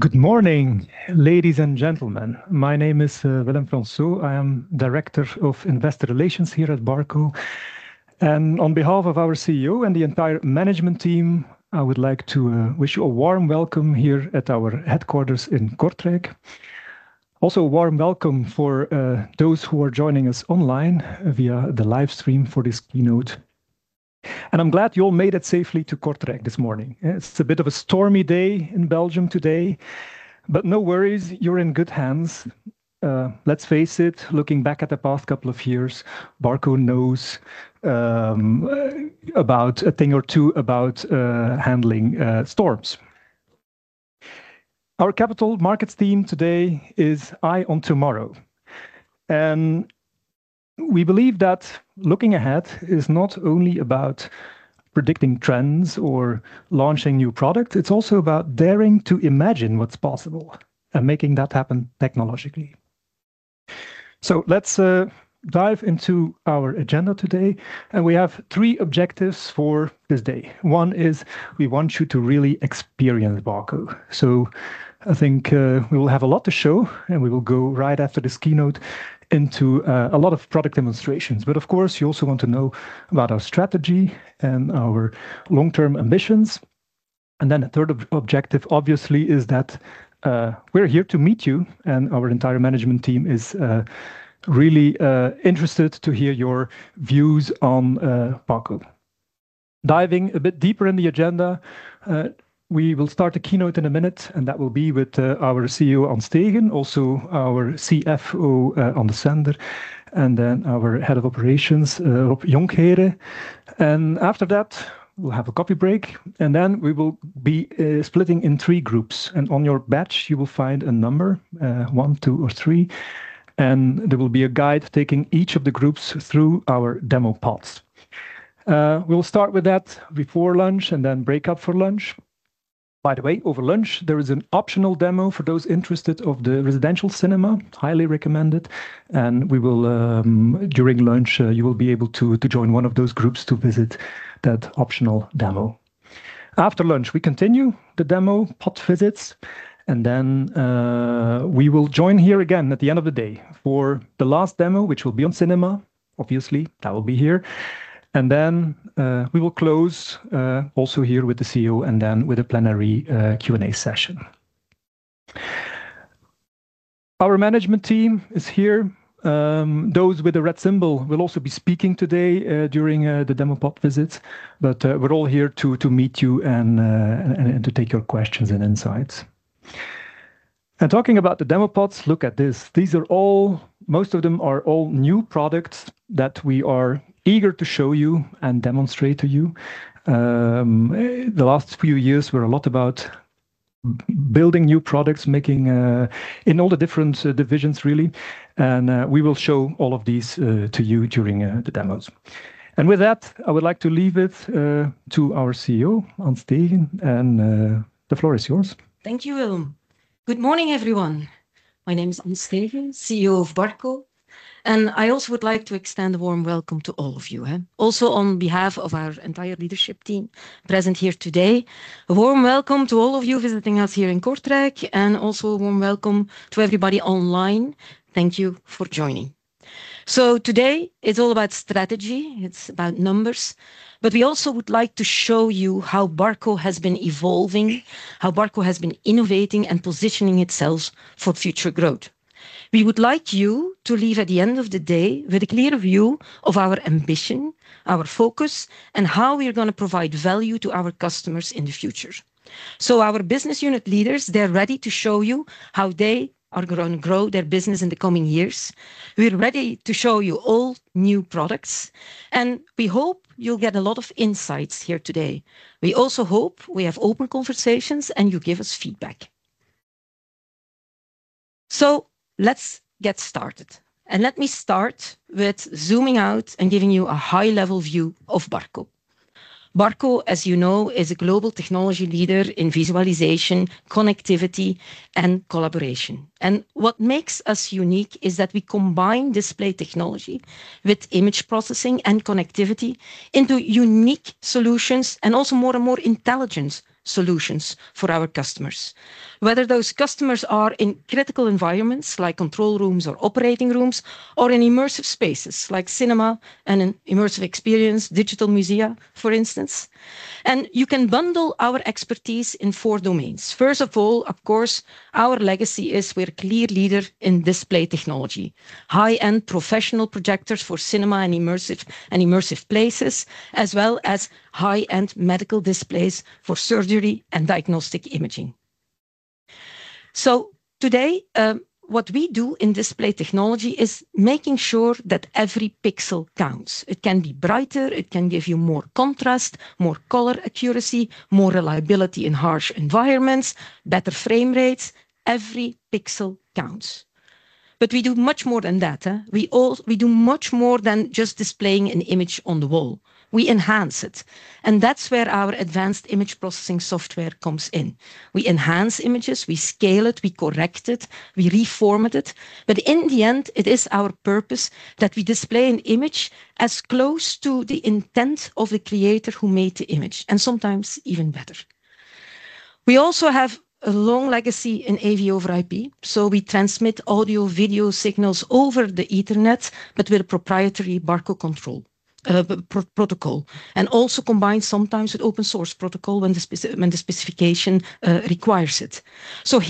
Good morning, ladies and gentlemen. My name is Willem Fransoo. I am Director of Investor Relations here at Barco. On behalf of our CEO and the entire management team, I would like to wish you a warm welcome here at our headquarters in Kortrijk. Also a warm welcome for those who are joining us online via the live stream for this keynote. I'm glad you all made it safely to Kortrijk this morning. It's a bit of a stormy day in Belgium today, but no worries, you're in good hands. Let's face it, looking back at the past couple of years, Barco knows a thing or two about handling storms. Our capital markets theme today is Eye on Tomorrow. We believe that looking ahead is not only about predicting trends or launching new products. It's also about daring to imagine what's possible and making that happen technologically. Let's dive into our agenda today and we have three objectives for this day. One is we want you to really experience Barco. I think we will have a lot to show and we will go right after this keynote into a lot of product demonstrations. Of course, you also want to know about our strategy and our long-term ambitions. The third objective obviously is that we're here to meet you and our entire management team is really interested to hear your views on Barco. Diving a bit deeper in the agenda, we will start a keynote in a minute and that will be with our CEO An Steegen, also our CFO Ann Desender, and then our Head of Operations, Rob Jonckheere. After that we will have a coffee break and then we will be splitting in three groups and on your badge you will find a number, 1, 2, or 3. There will be a guide taking each of the groups through our demo pods. We'll start with that before lunch and then break up for lunch. By the way, over lunch there is an optional demo for those interested of the residential cinema. Highly recommended. During lunch you will be able to join one of those groups to visit that optional demo. After lunch we continue the demo pod visits and then we will join here again at the end of the day for the last demo which will be on cinema. Obviously that will be here and then we will close also here with the CEO and then with a plenary Q&A session. Our management team is here. Those with the red symbol will also be speaking today during the demo pod visits. We're all here to meet you and entertain your questions and insights and talking about the demo pods. Look at this. These are all, most of them are all new products that we are eager to show you and demonstrate to you. The last few years were a lot about building new products in all the different divisions, really. We will show all of these to you during the demos. With that, I would like to leave it to our CEO An Steegen, the floor is yours. Thank you, Willem. Good morning everyone. My name is An Steegen, CEO of Barco NV. I also would like to extend a warm welcome to all of you. Also, on behalf of our entire leadership team present here today, a warm welcome to all of you visiting us here in Kortrijk and also a warm welcome to everybody online. Thank you for joining. Today it's all about strategy, it's about numbers. We also would like to show you how Barco NV has been evolving, how Barco NV has been innovating and positioning itself for future growth. We would like you to leave at the end of the day with a clear view of our ambition, our focus, and how we are going to provide value to our customers in the future. Our business unit leaders, they're ready to show you how they are going to grow their business in the coming years. We are ready to show you all new products and we hope you'll get a lot of insights here today. We also hope we have open conversations and you give us feedback. Let's get started and let me start with zooming out and giving you a high level view of Barco NV. Barco NV, as you know, is a global technology leader in visualization, connectivity and collaboration. What makes us unique is that we combine display technology with image processing and connectivity into unique solutions and also more and more intelligent solutions for our customers. Whether those customers are in critical environments like control rooms or operating rooms, or in immersive spaces like cinema and an immersive experience digital museum, for instance. You can bundle our expertise in four domains. First of all, of course, our legacy is we're clear leader in display technology. High end professional projectors for cinema and immersive places, as well as high end medical displays for surgery and diagnostic imaging. Today, what we do in display technology is making sure that every pixel counts. It can be brighter, it can give you more contrast, more color accuracy, more reliability in harsh environments, better frame rates. Every pixel counts. We do much more than that. We do much more than just displaying an image on the wall. We enhance it. That's where our advanced image processing software comes in. We enhance images, we scale it, we correct it, we reformat it. In the end, it is our purpose that we display an image as close to the intent of the creator who made the image and sometimes even better. We also have a long legacy in AV over IP. We transmit audio video signals over the Ethernet, but with a proprietary Barco control protocol and also combined sometimes with open source protocol when the specification requires it.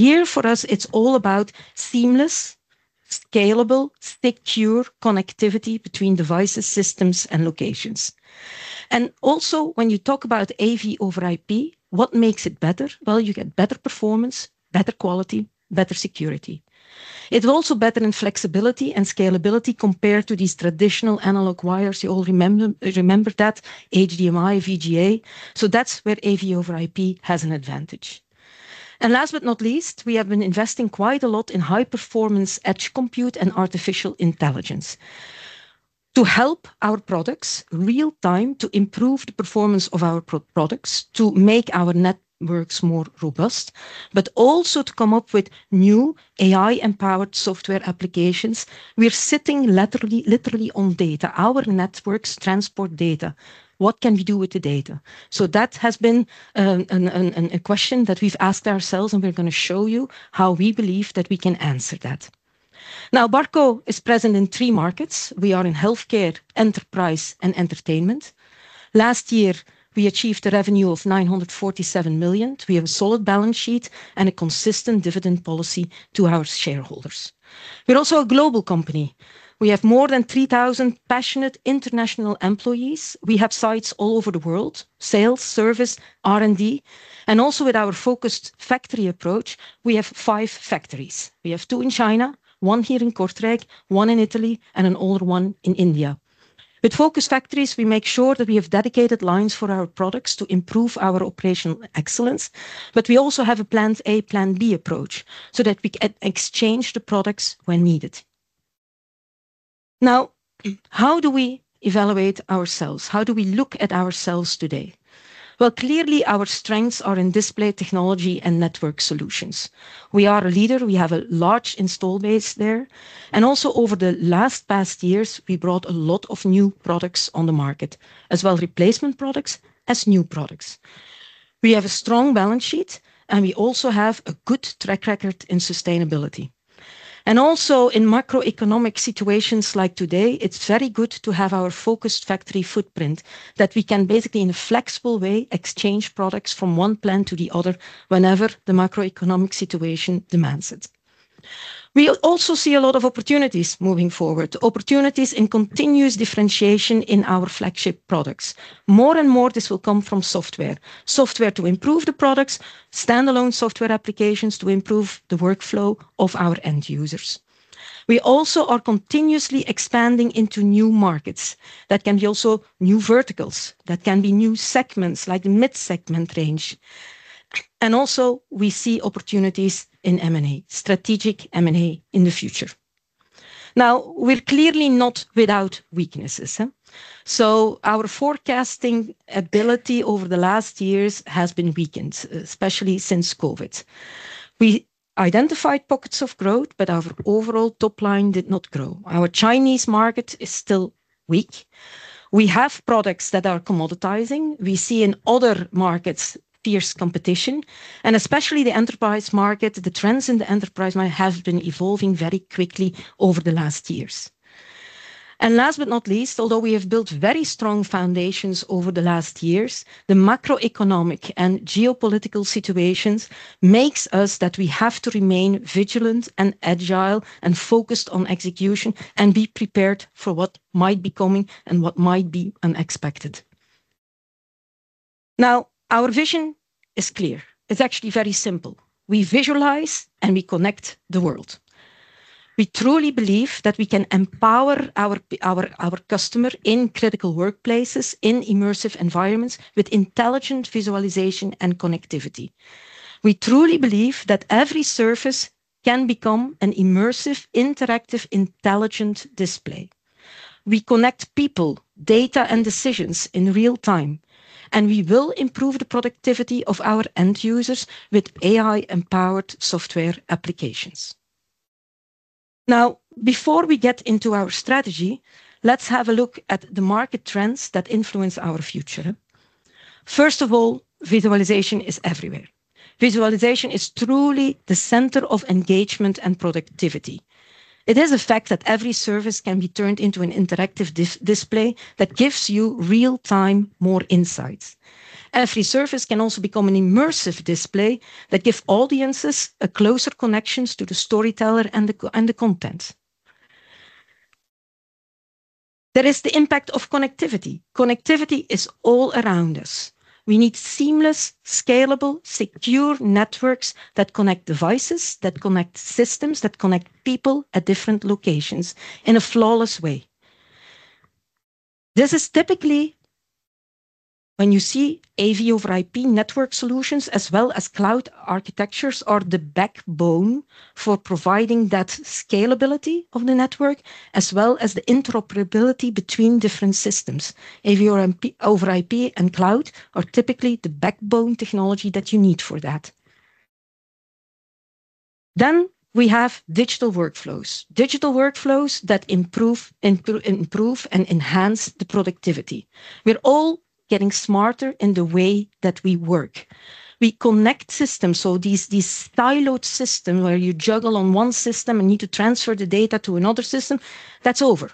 Here for us it's all about seamless, scalable, secure connectivity between devices, systems, and locations. Also, when you talk about AV over IP, what makes it better? You get better performance, better quality, better security. It's also better in flexibility and scalability compared to these traditional analog wires. You all remember that AG VGA. That's where AV over IP has an advantage. Last but not least, we have been investing quite a lot in high performance, edge compute, and artificial intelligence to help our products real time, to improve the performance of our products, to make our networks more robust, but also to come up with new AI-empowered software applications. We are sitting literally on data. Our networks transport data. What can we do with the data? That has been a question that we've asked ourselves and we're going to show you how we believe that we can answer that. Barco is present in three markets. We are in healthcare, enterprise, and entertainment. Last year we achieved a revenue of €947 million. We have a solid balance sheet and a consistent dividend policy to our shareholders. We're also a global company. We have more than 3,000 passionate international employees. We have sites all over the world: sales, service, R&D. Also, with our focused factory approach, we have five factories. We have two in China, one here in Kortrijk, one in Italy, and another one in India. With focus factories, we make sure that we have dedicated lines for our products to improve our operational excellence. We also have a plan B approach so that we can exchange the products when needed. How do we evaluate ourselves? How do we look at ourselves today? Clearly, our strengths are in display technology and network solutions. We are a leader. We have a large install base there. Over the last past years, we brought a lot of new products on the market as well, replacement products as new products. We have a strong balance sheet and we also have a good track record in sustainability, also in macro-economic situations like today. It's very good to have our focused factory footprint that we can basically, in a flexible way, exchange products from one plant to the other whenever the macroeconomic situation demands it. We also see a lot of opportunities moving forward, opportunities in continuous differentiation in our flagship products. More and more, this will come from software. Software to improve the products, standalone software applications to improve the workflow of our end users. We also are continuously expanding into new markets. That can be also new verticals, that can be new segments like mid-segment range. We see opportunities in strategic M&A in the future. Now, we're clearly not without weaknesses. Our forecasting ability over the last years has been weakened, especially since COVID. We identified pockets of growth, but our overall top line did not grow. Our Chinese market is still weak. We have products that are commoditizing. We see in other markets fierce competition, especially the enterprise market. The trends in the enterprise market have been evolving very quickly over the last years. Last but not least, although we have built very strong foundations over the last years, the macroeconomic and geopolitical situations mean that we have to remain vigilant and agile, focused on execution, and be prepared for what might be coming and what might be unexpected. Now, our vision is clear. It's actually very simple. We visualize and we connect the world. We truly believe that we can empower our customer in critical workplaces, in immersive environments with intelligent visualization and connectivity. We truly believe that every surface can become an immersive, interactive, intelligent display. We connect people, data, and decisions in real time. We will improve the productivity of our end users with AI-empowered software applications. Now, before we get into our strategy, let's have a look at the market trends that influence our future. First of all, visualization is everywhere. Visualization is truly the center of engagement and productivity. It is a fact that every surface can be turned into an interactive display that gives you real-time, more insights. Every surface can also become an immersive display that gives audiences a closer connection to the storyteller and the content. That is the impact of connectivity. Connectivity is all around us. We need seamless, scalable, secure networks that connect devices, that connect systems, that connect people at different locations in a flawless way. This is typically when you see AV over IP network solutions as well as cloud architectures are the backbone for providing that scalability of the network as well as the interoperability between different systems. AV over IP and cloud are typically the backbone technology that you need for that. We have digital workflows, digital workflows that improve and enhance the productivity. We're all getting smarter in the way that we work. We connect systems. These siloed systems where you juggle on one system and need to transfer the data to another system, that's over.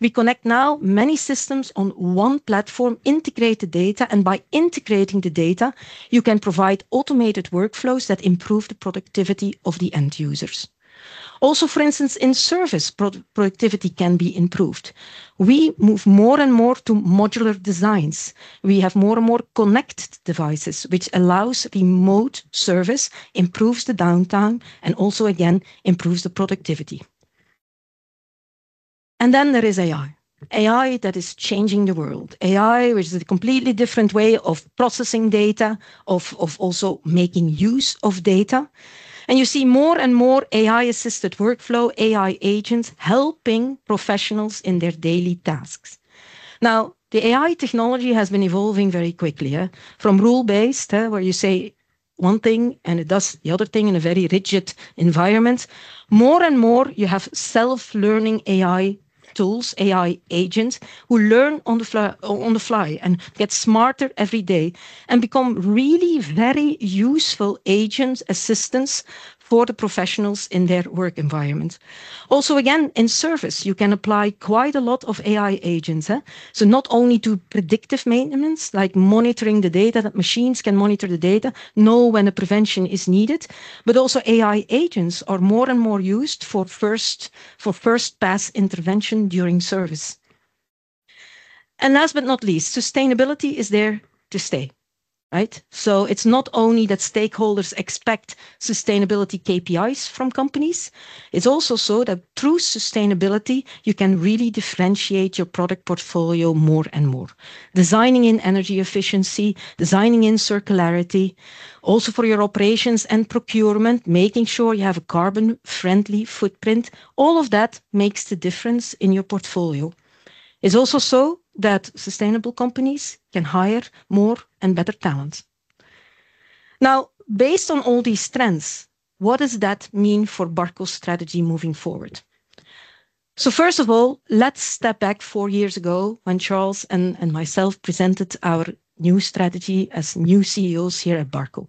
We connect now many systems on one platform, integrate the data, and by integrating the data you can provide automated workflows that improve the productivity of the end users. For instance, in service, productivity can be improved. We move more and more to modular designs. We have more and more connected devices, which allows remote service, improves the downtime, and also again improves the productivity. There is AI. AI that is changing the world. AI, which is a completely different way of processing data, of also making use of data. You see more and more AI-assisted workflow, AI agents helping professionals in their daily tasks. The AI technology has been evolving very quickly from rule-based, where you say one thing and it does the other thing in a very rigid environment. More and more you have self-learning AI tools, AI agents who learn on the fly and get smarter every day and become really very useful agents, assistants for the professionals in their work environment. Also, again in service, you can apply quite a lot of AI agents. Not only do predictive maintenance like monitoring the data, that machines can monitor the data, know when a prevention is needed, but also AI agents are more and more used for first pass intervention during service. Last but not least, sustainability is there to stay, right? It's not only that stakeholders expect sustainability KPIs from companies, it's also that we, through sustainability, you can really differentiate your product portfolio more and more. Designing in energy efficiency, designing in circularity, also for your operations and procurement, making sure you have a carbon-friendly footprint, all of that makes the difference in your portfolio. It's also so that sustainable companies can hire more and better talents. Now, based on all these trends, what does that mean for Barco's strategy moving forward? First of all, let's step back four years ago when Charles and myself presented our new strategy as new CEOs here at Barco.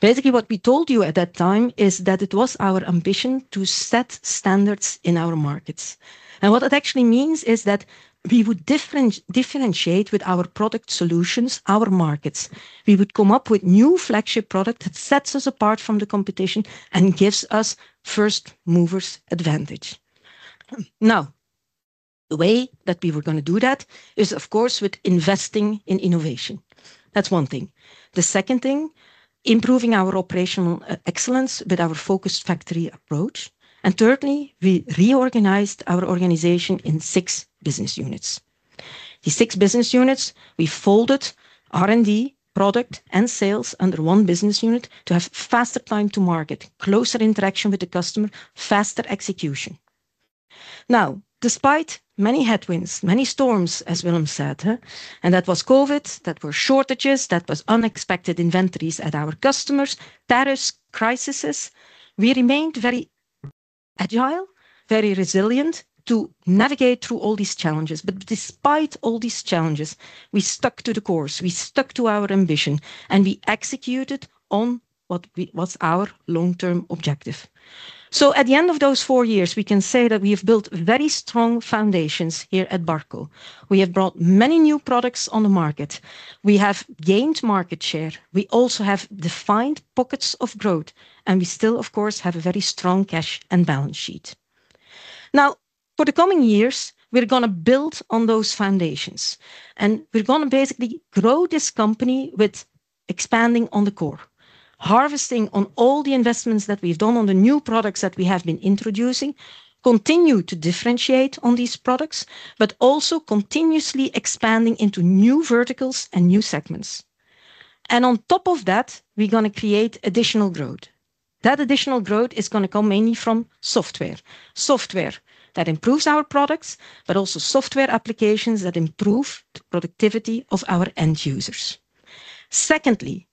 Basically, what we told you at that time is that it was our ambition to set standards in our markets. What that actually means is that we would differentiate with our product solutions, our markets. We would come up with new flagship product that sets us apart from the competition and gives us first movers advantage. The way that we were going to do that is of course with investing in innovation. That's one thing. The second thing, improving our operational excellence with our focused factory approach. Thirdly, we reorganized our organization in six business units. The six business units, we folded R&D, product, and sales under one business unit to have faster time to market, closer interaction with the customer, faster execution. Despite many headwinds, many storms, as Willem said, that was Covid, there were shortages, there was unexpected inventories at our customers, Paris crises. We remained very agile, very resilient to navigate through all these challenges. Despite all these challenges, we stuck to the course, we stuck to our ambition, and we executed on what was our long term objective. At the end of those four years, we can say that we have built very strong foundations here at Barco. We have brought many new products on the market, we have gained market share. We also have defined pockets of growth and we still of course have a very strong cash and balance sheet. For the coming years, we're going to build on those foundations and we're going to basically grow this company with expanding on the core, harvesting on all the investments that we've done on the new products that we have been introducing, continue to differentiate on these products, but also continuously expanding into new verticals and new segments. On top of that, we're going to create additional growth. That additional growth is going to come mainly from software. Software that improves our products, but also software applications that improve the productivity of our end users. Secondly,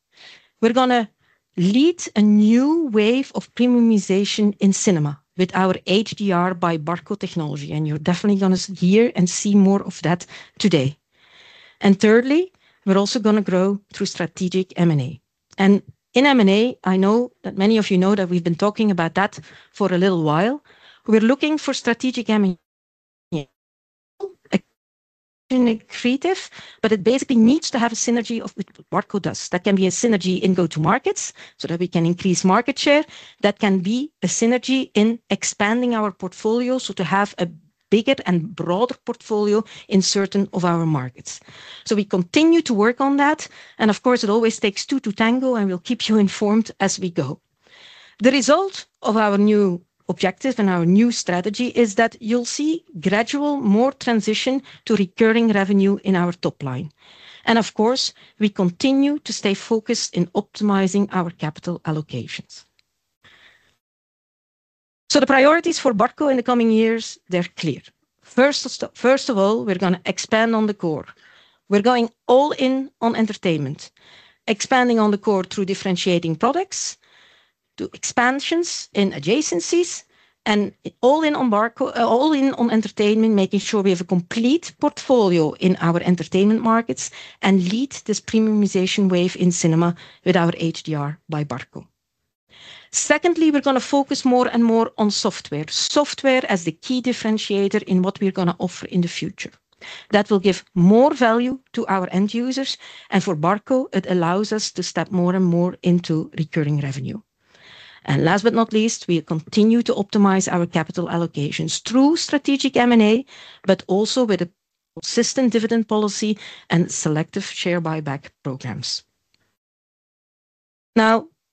we're going to lead a new wave of premiumization in cinema with our HDR by Barco technology. You're definitely going to hear and see more of that today. Thirdly, we're also going to grow through strategic M&A. In M&A, I know that many of you know that we've been talking about that for a little while. We're looking for strategic, creative, but it basically needs to have a synergy of Barco. That can be a synergy in go-to-markets so that we can increase market share. That can be a synergy in expanding our portfolio to have a bigger and broader portfolio in certain of our markets. We continue to work on that. Of course, it always takes two to tango. We'll keep you informed as we go. The result of our new objective and our new strategy is that you'll see gradual, more transition to recurring revenue in our top line. We continue to stay focused in optimizing our capital allocations. The priorities for Barco in the coming years are clear. First of all, we're going to expand on the core. We're going all in on entertainment, expanding on the core through differentiating products to expansions in adjacencies and all in on entertainment, making sure we have a complete portfolio in our entertainment markets and lead this premiumization wave in cinema with our HDR by Barco. Secondly, we're going to focus more and more on software. Software as the key differentiator in what we're going to offer in the future will give more value to our end users. For Barco, it allows us to step more and more into recurring revenue. Last but not least, we continue to optimize our capital allocations through strategic M&A, but also with a consistent dividend policy and selective share buyback programs.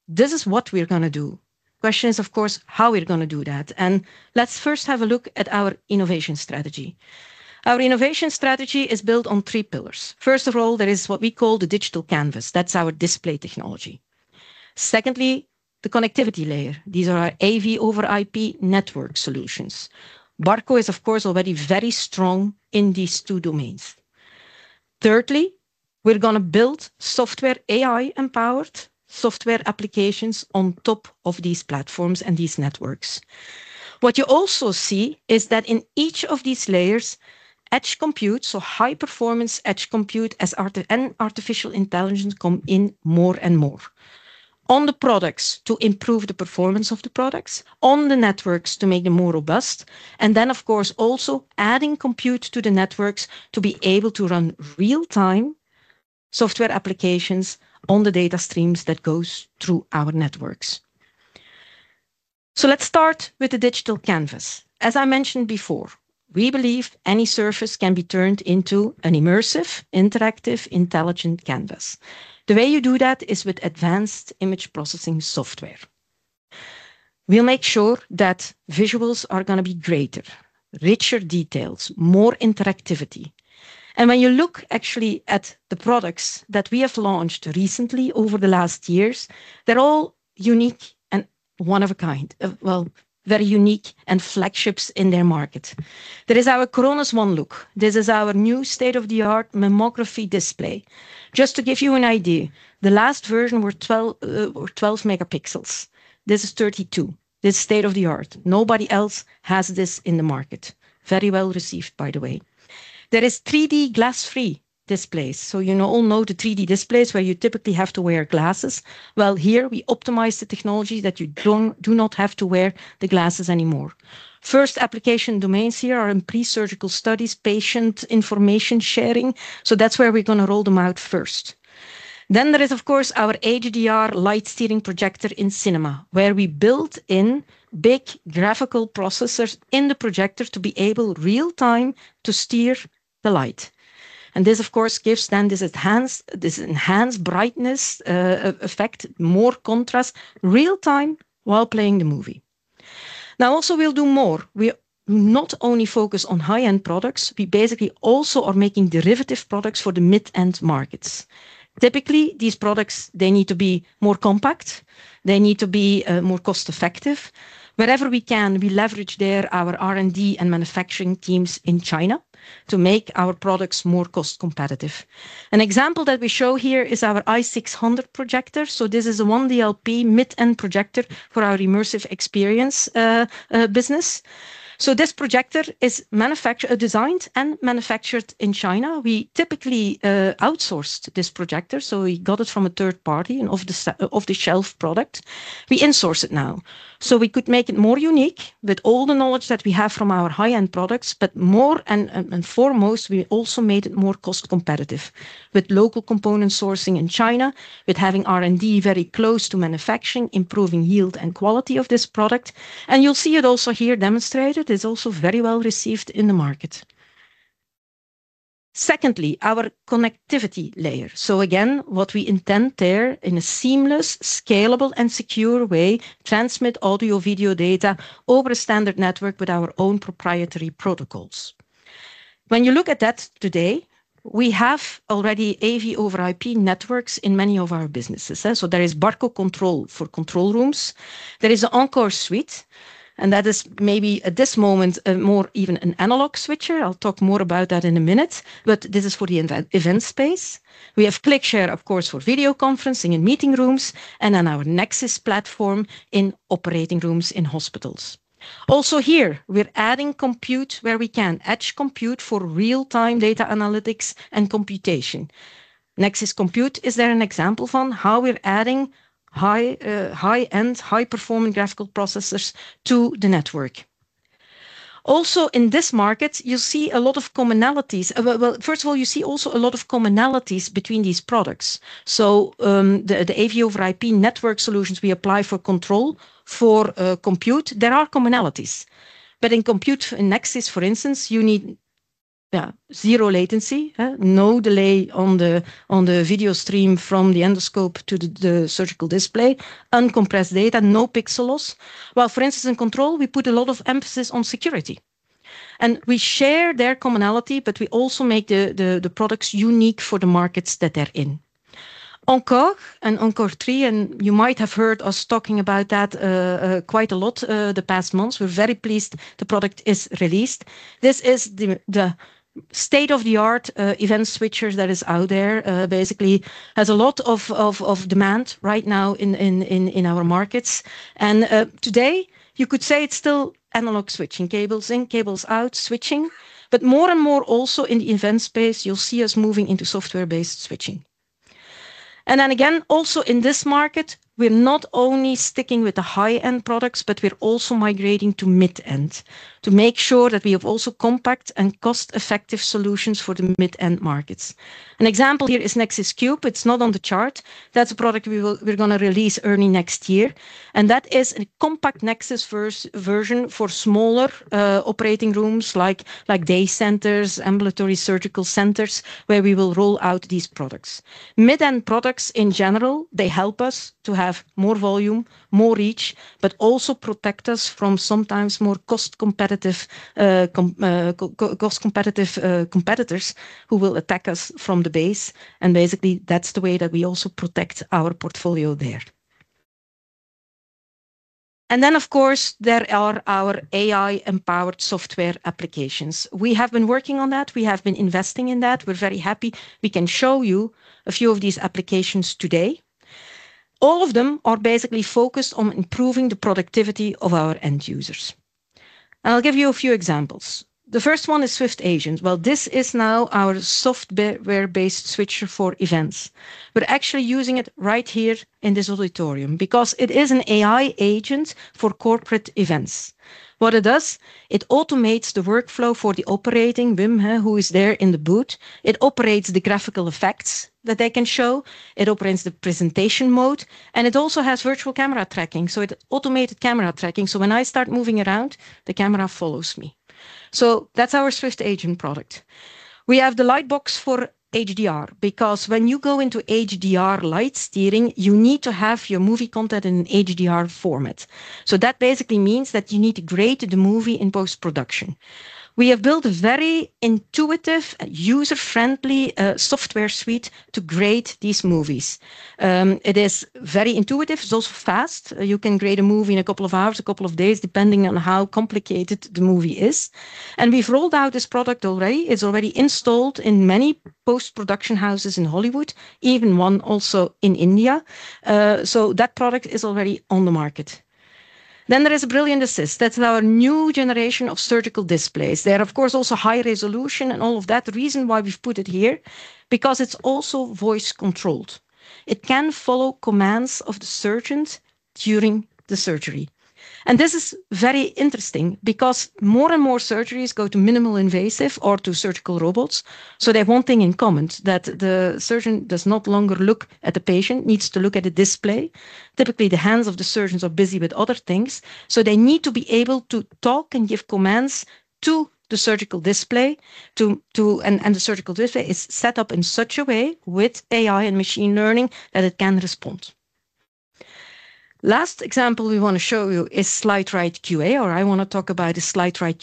This is what we're going to do. The question is, of course, how we're going to do that. Let's first have a look at our innovation strategy. Our innovation strategy is built on three pillars. First of all, there is what we call the digital canvas. That's our display technology. Secondly, the connectivity layer. These are our AV over IP network solutions. Barco is, of course, already very strong in these two domains. Thirdly, we're going to build software, AI-empowered software applications on top of these platforms and these networks. What you also see is that in each of these layers, edge compute, so high performance edge compute and artificial intelligence, come in more and more on the products to improve the performance of the products on the networks to make them more robust. Of course, also adding compute to the networks to be able to run real-time software applications on the data streams that go through our networks. Let's start with the digital canvas. As I mentioned before, we believe any surface can be turned into an immersive, interactive, intelligent canvas. The way you do that is with advanced image processing software. We'll make sure that visuals are going to be greater, richer details, more interactivity. When you look actually at the products that we have launched recently over the last years, they're all unique and one of a kind. Very unique and flagships in their market. There is our Coronis OneLook. This is our new state-of-the-art mammography display. Just to give you an idea, the last version was 12 megapixels. This is 32. This is state-of-the-art. Nobody else has this in the market. Very well received, by the way. There are 3D glass-free displays. You all know the 3D displays where you typically have to wear glasses. Here we optimize the technology so that you do not have to wear the glasses anymore. First application domains here are in pre-surgical studies and patient information sharing. That's where we're going to roll them out first. There is, of course, our HDR by Barco light steering projector in cinema, where we built in big graphical processors in the projector to be able in real time to steer the light. This gives then this enhanced brightness effect, more contrast, real time while playing the movie. We will do more. We not only focus on high-end products, we basically also are making derivative products for the mid-end markets. Typically, these products need to be more compact, they need to be more cost effective. Wherever we can, we leverage our R&D and manufacturing teams in China to make our products more cost competitive. An example that we show here is our i600 projector. This is a one DLP mid-end projector for our immersive experience business. This projector is designed and manufactured in China. We typically outsourced this projector. We got it from a third party and off-the-shelf product. We insource it now so we could make it more unique with all the knowledge that we have from our high-end products. More and foremost, we also made it more cost competitive with local component sourcing in China, with having R&D very close to manufacturing, improving yield and quality of this product. You'll see it also here demonstrated; it's also very well received in the market. Secondly, our connectivity layer. What we intend there is, in a seamless, scalable, and secure way, to transmit audio, video, and data over a standard network with our own proprietary protocols. When you look at that today, we have already AV over IP networks in many of our businesses. There is Barco Control for control rooms, there is an Encore suite, and that is maybe at this moment more even an analog switcher. I'll talk more about that in a minute. This is for the event space. We have ClickShare, of course, for video conferencing in meeting rooms, and then our Nexxis platform in operating rooms in hospitals. Also here, we're adding Compute, where we can edge compute for real-time data analytics and computation—Nexxis Compute. Is there an example from how we're adding high-end, high-performing graphical processors to the network? In this market, you see a lot of commonalities. First of all, you see also a lot of commonalities between these products. The AV over IP network solutions we apply for control, for compute, there are commonalities, but in Compute Nexxis, for instance, you need zero latency, no delay on the video stream from the endoscope to the surgical display, uncompressed data, and no pixel loss. For instance, in control, we put a lot of emphasis on security, and we share their commonality. We also make the products unique for the markets that they're in. Encore and Encore3—you might have heard us talking about that quite a lot the past months. We're very pleased the product is released. This is the state-of-the-art event switcher that is out there. It basically has a lot of demand right now in our markets. Today, you could say it's still analog switching, cables in, cables out switching, but more and more also in the event space, you'll see us moving into software-based switching. In this market, we're not only sticking with the high-end products, but we're also migrating to mid-end to make sure that we have also compact and cost-effective solutions for the mid-end markets. An example here is Nexxis Cube. It's not on the chart. That's a product we're going to release early next year, and that is a compact Nexxis version for smaller operating rooms like day centers, ambulatory surgical centers where we will roll out these products. Mid end products in general help us to have more volume, more reach, but also protect us from sometimes more cost competitive competitors who will attack us from the base. Basically, that's the way that we also protect our portfolio there. Of course, there are our AI-empowered software applications we have been working on, that we have been investing in, that we're very happy. We can show you a few of these applications today. All of them are basically focused on improving the productivity of our end users. I'll give you a few examples. The first one is Swift Agent. This is now our software-based switcher for events, but actually using it right here in this auditorium because it is an AI agent for corporate events. It automates the workflow for the operating member who is there in the booth. It operates the graphical effects that they can show. It operates the presentation mode, and it also has virtual camera tracking. It is automated camera tracking, so when I start moving around, the camera follows me. That's our Swift Agent product. We have the Lightbox for the HDR because when you go into HDR light steering, you need to have your movie content in HDR format. That basically means that you need to grade the movie in post production. We have built a very intuitive, user-friendly software suite to grade these movies. It is very intuitive. It's also fast. You can create a movie in a couple of hours, a couple of days, depending on how complicated the movie is. We've rolled out this product already. It's already installed in many, many post production houses in Hollywood, even one also in India. That product is already on the market. Then there is Brilliant Assist, that's our new generation of surgical displays. They are of course also high resolution and all of that. The reason why we've put it here is because it's also voice controlled. It can follow commands of the surgeons during the surgery. This is very interesting because more and more surgeries go to minimal invasive or to surgical robots. They have one thing in common, that the surgeon does not longer look at the patient, needs to look at a display. Typically, the hands of the surgeons are busy with other things, so they need to be able to talk and give commands to the surgical display. The surgical display is set up in such a way with AI and machine learning that it can respond. The last example we want to show you is SlideRight QA, or I want to talk about SlideRight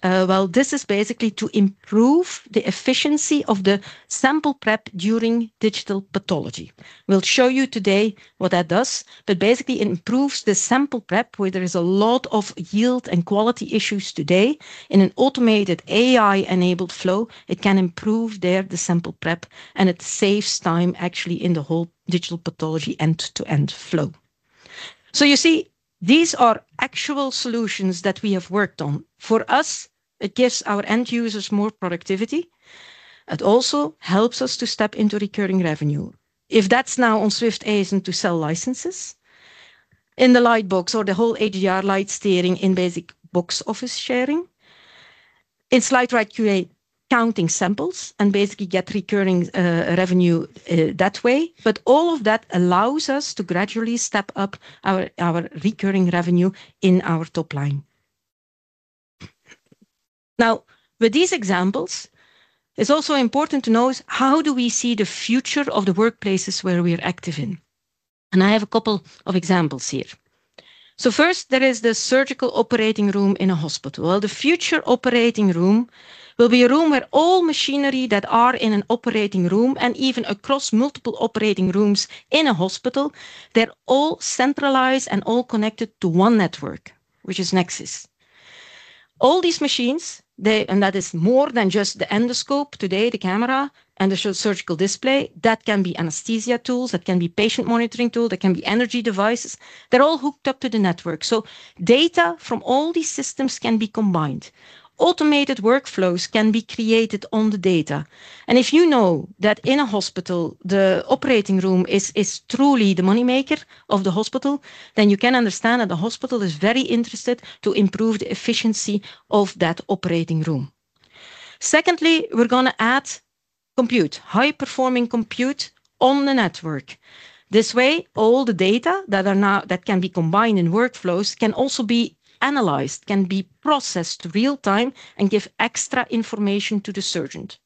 QA. This is basically to improve the efficiency of the sample prep during digital pathology. We'll show you today what that does. Basically, it improves the sample prep where there is a lot of yield and quality issues today. In an automated AI-enabled flow, it can improve the sample prep and it saves time in the whole digital pathology end-to-end flow. These are actual solutions that we have worked on. For us, it gives our end users more productivity. It also helps us to step into recurring revenue. If that's now on Swift Agent to sell licenses in the Lightbox or the whole HDR light steering in basic box office sharing in SlideRight QA, counting samples and basically get recurring revenue that way. All of that allows us to gradually step up our recurring revenue in our top line. Now, with these examples, it's also important to know how we see the future of the workplaces where we are active in, and I have a couple of examples here. First, there is the surgical operating room in a hospital. The future operating room will be a room where all machinery that are in an operating room, and even across multiple operating rooms in a hospital, they're all centralized and all connected to one network, which is Nexxis. All these machines, and that is more than just the endoscope today, the camera and the surgical display, that can be anesthesia tools, that can be patient monitoring tools, that can be energy devices, they're all hooked up to the network. Data from all these systems can be combined. Automated workflows can be created on the data. If you know that in a hospital, the operating room is truly the money maker of the hospital, then you can understand that the hospital is very interested to improve the efficiency of that operating room. Secondly, we're going to add high-performing compute on the network. This way, all the data that can be combined in workflows can also be analyzed, can be processed real time, and give extra information to the surgeons.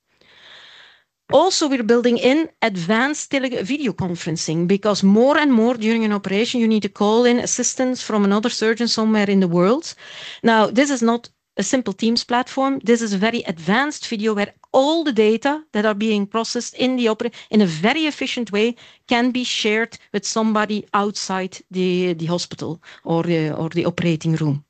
Also we're building in advanced video conferencing because more and more during an operation you need to call in assistance from another surgeon somewhere in the world. Now this is not a simple Teams platform. This is a very advanced video where all the data that are being processed in the OPERA in a very efficient way can be shared with somebody outside the hospital or the operating room.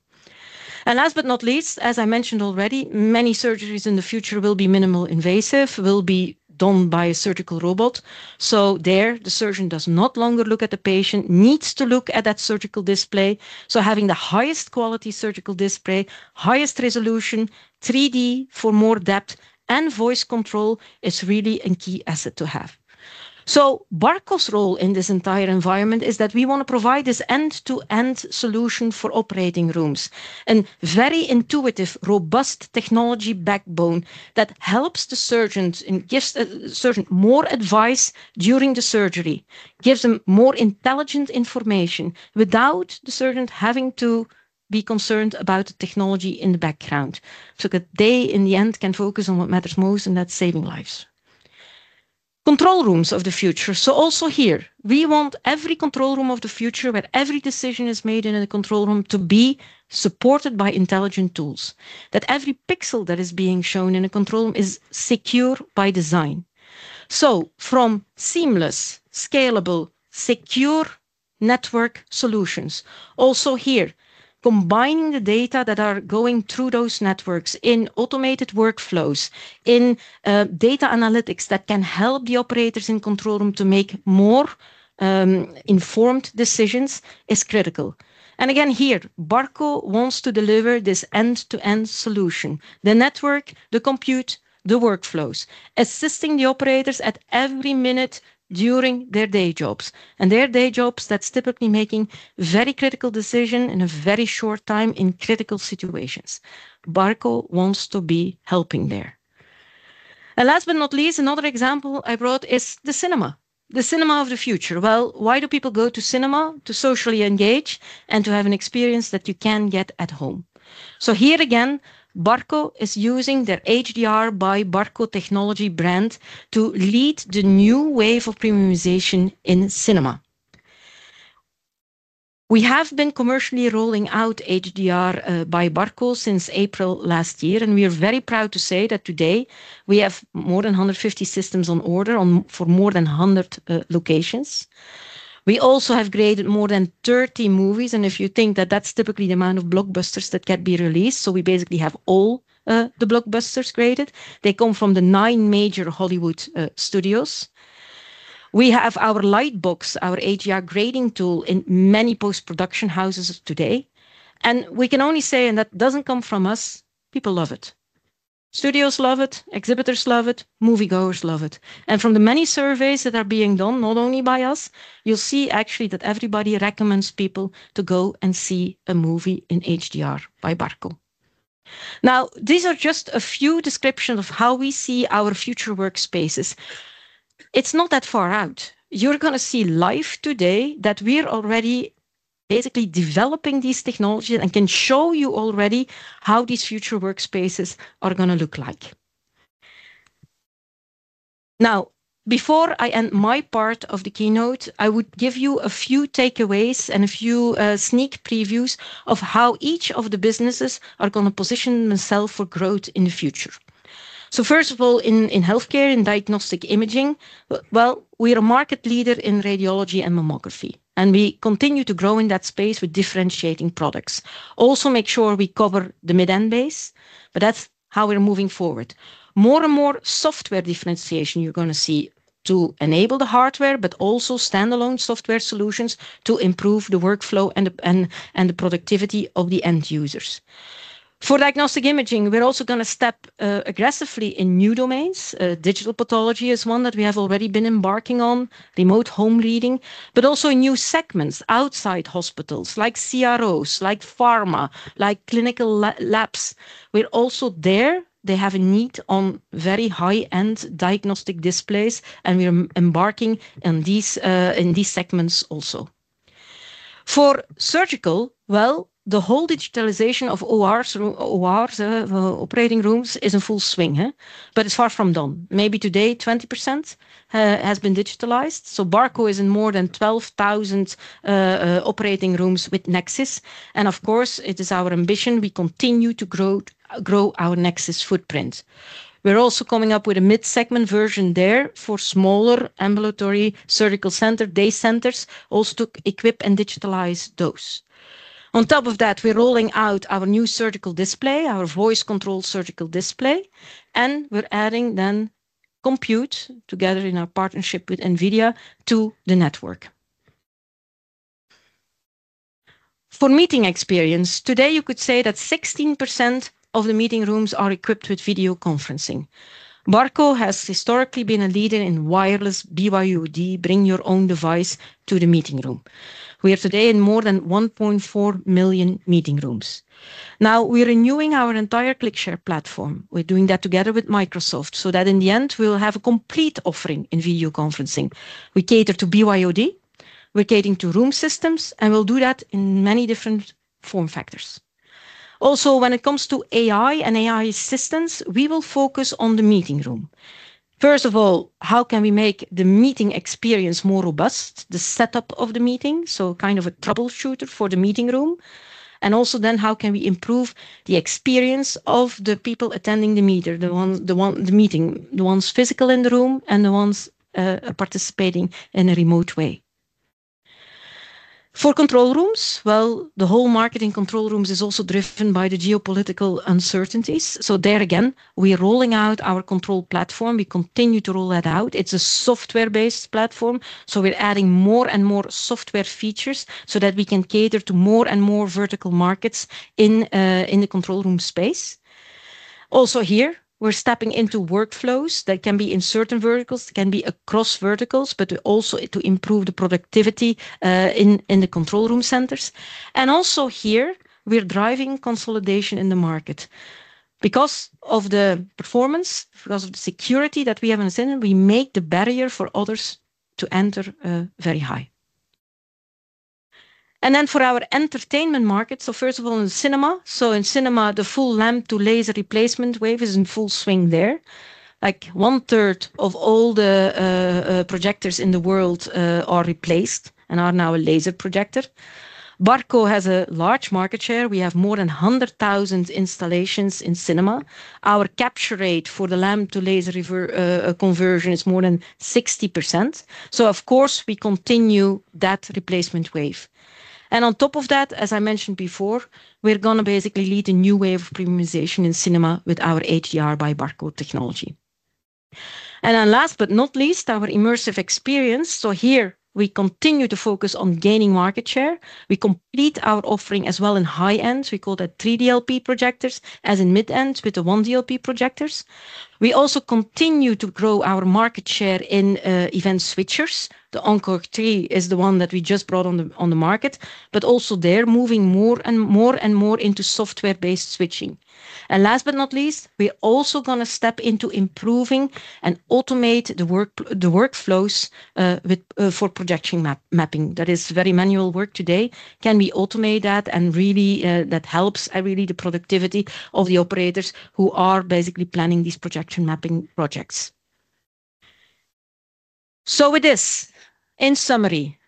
Last but not least, as I mentioned already, many surgeries in the future will be minimal, invasive, will be done by a surgical robot. There the surgeon does not longer look at the patient, needs to look at that surgical display. Having the highest quality surgical display, highest resolution, 3D for more depth, and voice control is really a key asset to have. So Barco's role in this entire environment is that we want to provide this end-to-end solution for operating rooms and very intuitive, robust technology backbone that helps the surgeons and gives more advice during the surgery, gives them more intelligent information without the surgeon having to be concerned about the technology in the background so that they in the end can focus on what matters most and that's saving lives. Control rooms of the future, so also here we want every control room of the future, where every decision is made in a control room, to be supported by intelligent tools, that every pixel that is being shown in a control room is secure by design. From seamless, scalable, secure network solutions, also here, combining the data that are going through those networks in automated workflows, in data analytics that can help the operators in control room to make more informed decisions is critical. Again here Barco wants to deliver this end-to-end solution. The network, the compute, the workflows, assisting the operators at every minute during their day jobs, and their day jobs, that's typically making very critical decision in a very short time in critical situations. Barco wants to be helping there. Last but not least, another example I brought is the cinema, the cinema of the future. Why do people go to cinema? To socially engage and to have an experience that you can't get at home. Here again, Barco is using their HDR by Barco technology brand to lead the new wave of premiumization in cinema. We have been commercially rolling out HDR by Barco since April last year. We are very proud to say that today we have more than 150 systems on order for more than 100 locations. We also have graded more than 30 movies. If you think that that's typically the amount of blockbusters that can be released, we basically have all the blockbusters created. They come from the nine major Hollywood studios. We have our Lightbox, our AGR grading tool in many post production houses today. We can only say, and that doesn't come from us, people love it, studios love it, exhibitors love it, moviegoers love it. From the many surveys that are being done not only by us, you'll see actually that everybody recommends people to go and see a movie in HDR by Barco. These are just a few descriptions of how we see our future workspaces. It's not that far out. You're going to see live today that we're already basically developing these technologies and can show you already how these future workspaces are going to look like. Now, before I end my part of the keynote, I would give you a few takeaways and a few sneak previews of how each of the businesses are going to position themselves for growth. First of all, in healthcare and diagnostic imaging, we are a market leader in radiology and mammography and we continue to grow in that space with differentiating products. Also, make sure we cover the mid end base, but that's how we're moving forward. More and more software differentiation you're going to see to enable the hardware, but also standalone software solutions to improve the workflow and the productivity of the end users. For diagnostic imaging, we're also going to step aggressively in new domains. Digital pathology is one that we have already been embarking on, remote home reading, but also in new segments outside hospitals, like CROs, like pharma, like clinical labs. We're also there, they have a need on very high end diagnostic displays and we are embarking in these segments. Also for surgical, the whole digitalization of operating rooms is in full swing, but it's far from done. Maybe today 20% has been digitalized. Barco is in more than 12,000 operating rooms with Nexxis and of course it is our ambition, we continue to grow our Nexxis footprint. We're also coming up with a mid segment version there for smaller ambulatory surgical center day centers, also to equip and digitalize those. On top of that, we're rolling out our new surgical display, our voice control surgical display, and we're adding then Compute together in our partnership with Nvidia to the network for meeting experience. Today you could say that 16% of the meeting rooms are equipped with video conferencing. Barco has historically been a leader in wireless BYOD, bring your own device to the meeting room. We are today in more than 1.4 million meeting rooms. Now we are renewing our entire ClickShare platform. We're doing that together with Microsoft so that in the end we will have a complete offering in video conferencing. We cater to BYOD, we're catering to room systems and we'll do that in many different form factors. Also, when it comes to AI and AI assistants, we will focus on the meetings. First of all, how can we make the meeting experience more robust? The setup of the meeting, so kind of a troubleshooter for the meeting room. Also, how can we improve the experience of the people attending the meeting, the ones physical in the room and the ones participating in a remote way. For control rooms, the whole market in control rooms is also driven by the geopolitical uncertainties. There again, we are rolling out our control platform. We continue to roll that out. It's a software-based platform. We're adding more and more software features so that we can cater to more and more vertical markets in the control room space. Also here, we're stepping into workflows that can be in certain verticals, can be across verticals, but also to improve the productivity in the control room centers. Also here, we're driving consolidation in the market because of the performance, because of the security that we have in the center. We make the barrier for others to enter very high. For our entertainment market, first of all in cinema, the full lamp-to-laser replacement wave is in full swing. There, like one third of all the projectors in the world are replaced and are now a laser projector. Barco has a large market share. We have more than 100,000 installations in cinema. Our capture rate for the lamp-to-laser conversion is more than 60%. Of course, we continue that replacement wave. On top of that, as I mentioned before, we're going to basically lead a new wave of premiumization in cinema with our HDR by Barco technology. Last but not least, our immersive experience, here we continue to focus on gaining market share. We complete our offering as well. In high end, we call that three DLP projectors. As in mid end with the one DLP projectors, we also continue to grow our market share in event switchers. The Encore3 is the one that we just brought on the market. Also, they're moving more and more and more into software-based switching. Last but not least, we also going to step into improving and automate the workflows for projection mapping. That is very manual work today. Can we automate that? That helps really the productivity of the operators who are basically planning these projection mapping projects. With this in summary,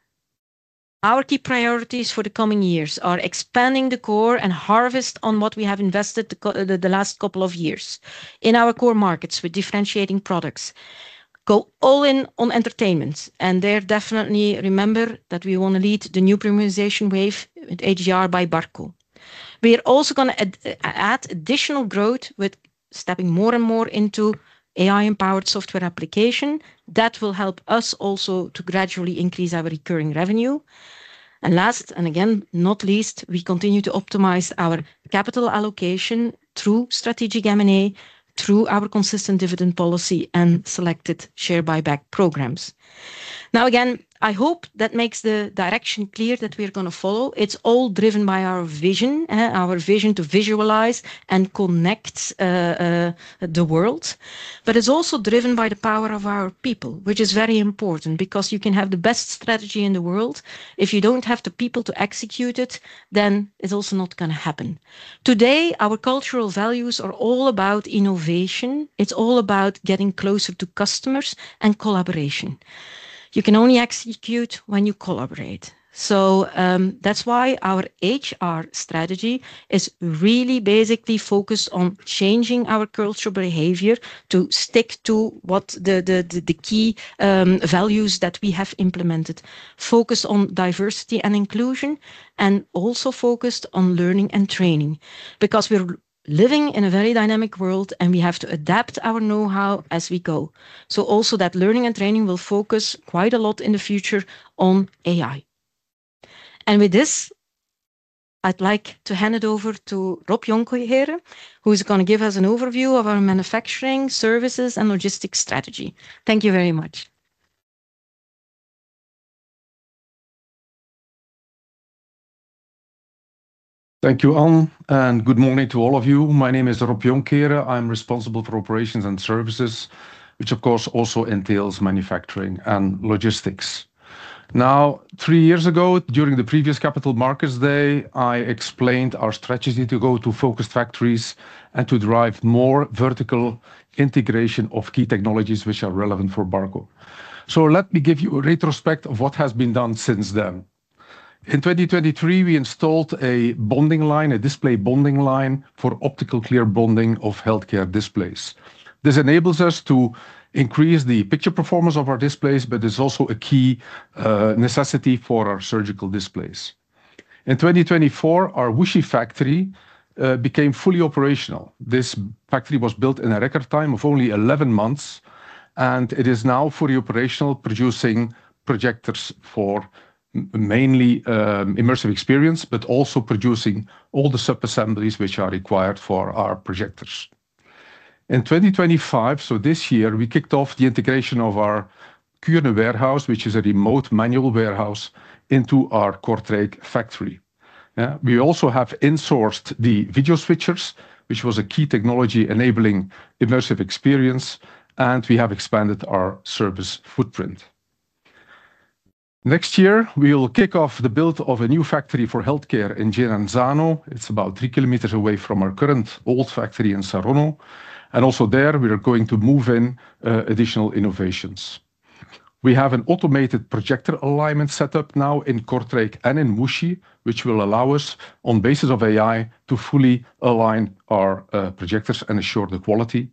our key priorities for the coming years are expanding the core and harvest on what we have invested the last couple of years in our core markets with differentiating products, go all in on entertainment, and there definitely remember that we want to lead the new premiumization wave by Barco. We are also going to add additional growth with stepping more and more into AI-empowered software application that will help us also to gradually increase our recurring revenue. Last and again not least, we continue to optimize our capital allocation through strategic M&A, through our consistent dividend policy, and selected share buyback programs. Now again, I hope that makes the direction clear that we are going to follow. It's all driven by our vision, our vision to visualize and connect the world. It's also driven by the power of our people, which is very important because you can have the best strategy in the world. If you don't have the people to execute it, then it's also not going to happen. Today our cultural values are all about innovation. It's all about getting closer to customers and collaboration. You can only execute when you collaborate. That's why our HR strategy is really basically focused on changing our cultural behavior to stick to what the key values that we have implemented, focus on diversity and inclusion, and also focused on learning and training because we're living in a very dynamic world and we have to adapt our know-how as we go. Also, that learning and training will focus quite a lot in the future on AI. With this I'd like to hand it over to Rob Jonckheere who is going to give us an overview of our manufacturing services and logistics strategy. Thank you very much. Thank you, Alan, and good morning to all of you. My name is Rob Jonckheere. I'm responsible for Operations and Services, which of course also entails Manufacturing and Logistics. Now, three years ago, during the previous Capital Markets Day, I explained our strategy to go to focused factories and to drive more vertical integration of key technologies which are relevant for Barco. Let me give you a retrospect of what has been done since then. In 2023, we installed a bonding line, a display bonding line for optical clear bonding of healthcare displays. This enables us to increase the picture performance of our displays but is also a key necessity for our surgical displays. In 2024, our Wuxi factory became fully operational. This factory was built in a record time of only 11 months, and it is now fully operational, producing projectors for mainly immersive experience, but also producing all the sub-assemblies which are required for our projectors in 2025. This year, we kicked off the integration of our K warehouse, which is a remote manual warehouse, into our Kortrijk factory. We also have insourced the video switchers, which was a key technology enabling immersive experience. We have expanded our service footprint. Next year, we will kick off the build of a new factory for healthcare in Jirenzano. It's about 3 km away from our current old factory in Saronno. Also, we are going to move in additional innovations. We have an automated projector alignment set up now in Kortrijk and in Wuxi, which will allow us on basis of AI to fully align our projectors and assure the quality.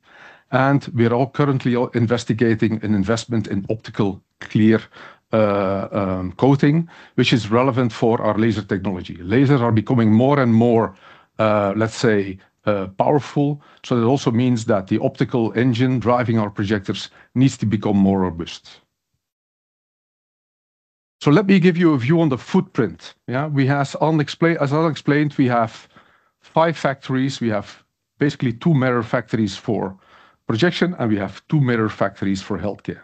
We are currently investigating an investment in optical clear coating, which is relevant for our laser technology. Lasers are becoming more and more, let's say, powerful. It also means that the optical engine driving our projectors needs to become more robust. Let me give you a view on the footprint as I explained. We have five factories. We have basically two mirror factories for projection, and we have two mirror factories for healthcare.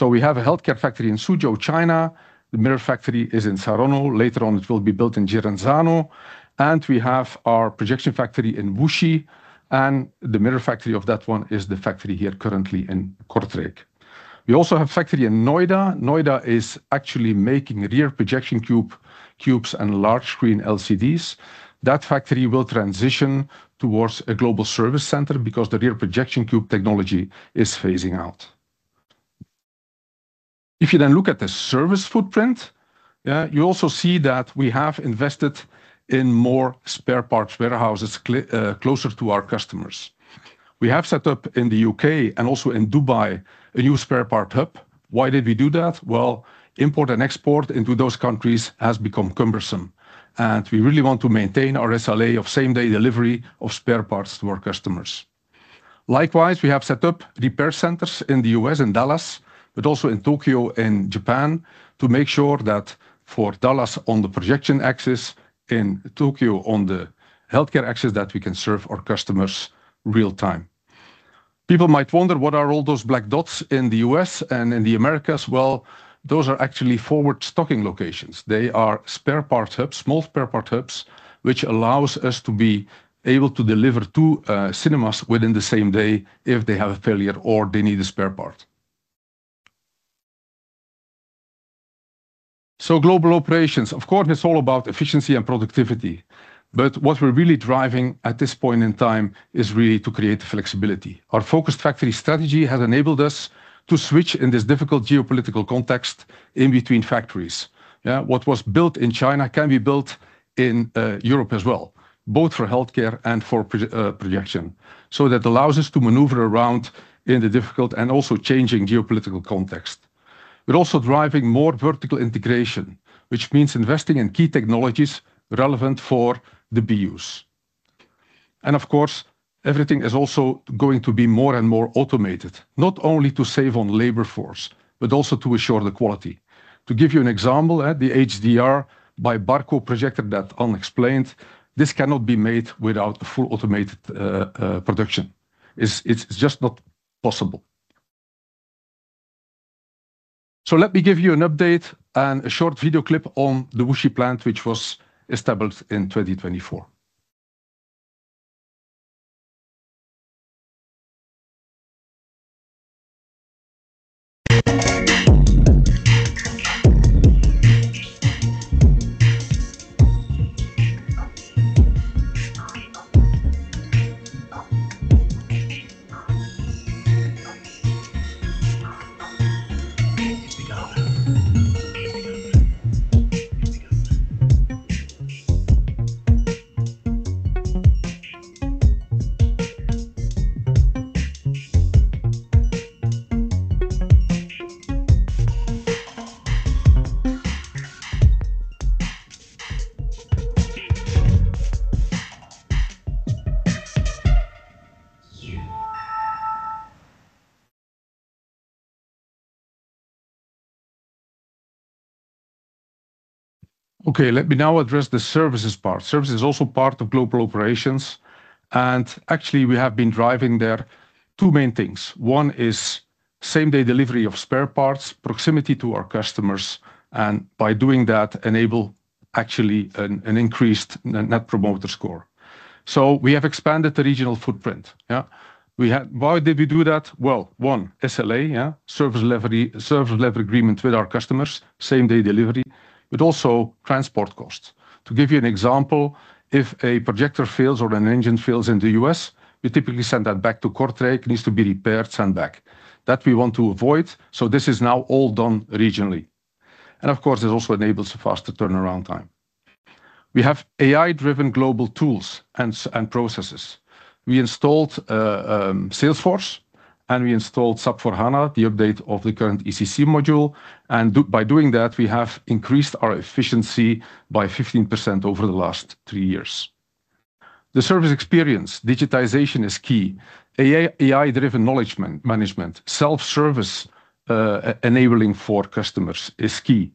We have a healthcare factory in Suzhou, China. The mirror factory is in Saronno. Later on, it will be built in Jirenzano. We have our projection factory in Wuxi, and the mirror factory of that one is the factory here currently in Kortrijk. We also have a factory in Noida. Noida is actually making rear projection cubes and large screen LCDs. That factory will transition towards a global service center because the rear projection cube technology is phasing out. If you then look at the service footprint, you also see that we have invested in more spare parts warehouses closer to our customers. We have set up in the U.K. and also in Dubai, a new spare part hub. Import and export into those countries has become cumbersome. We really want to maintain our SLA of same day delivery of spare parts to our customers. Likewise, we have set up repair centers in the U.S. and Dallas, but also in Tokyo and Japan to make sure that for Dallas on the projection axis, in Tokyo, on the healthcare axis, we can serve our customers real time. People might wonder what are all those black dots in the U.S. and in the Americas. Those are actually forward stocking locations. They are spare part hubs, small spare part hubs which allows us to be able to deliver to cinemas within the same day if they have a failure or they need a spare part. Global operations of course it's all about efficiency and productivity. What we're really driving at this point in time is really to create flexibility. Our focused factory strategy has enabled us to switch in this difficult geopolitical context in between factories. What was built in China can be built in Europe as well, both for healthcare and for projection. That allows us to maneuver around in the difficult and also changing geopolitical context. We're also driving more vertical integration which means investing in key technologies relevant for the BUs. Of course everything is also going to be more and more automated not only to save on labor force but also to assure the quality. To give you an example, the HDR by Barco projector that I explained, this cannot be made without full automated production. It's just not possible. Let me give you an update and a short video clip on the Wuxi plant which was established in 2024. Okay, let me now address the services part. Service is also part of Global Operations and actually we have been driving there two main things. One is same day delivery of spare parts, proximity to our customers, and by doing that enable actually an increased net promoter score. We have expanded the regional footprint. Why did we do that? One SLA, service leverage agreement with our customers, same day delivery but also transport costs. To give you an example, if a projector fails or an engine fails in the U.S., we typically send that back to Kortrijk, needs to be repaired, sent back, that we want to avoid. This is now all done regionally and of course it also enables a faster turnaround time. We have AI-driven global tools and processes. We installed Salesforce and we installed SAP4HANA, the update of the current ECC module, and by doing that we have increased our efficiency by 15% over the last three years. The service experience digitization is key. AI-driven knowledge management, self-service enabling for customers is key.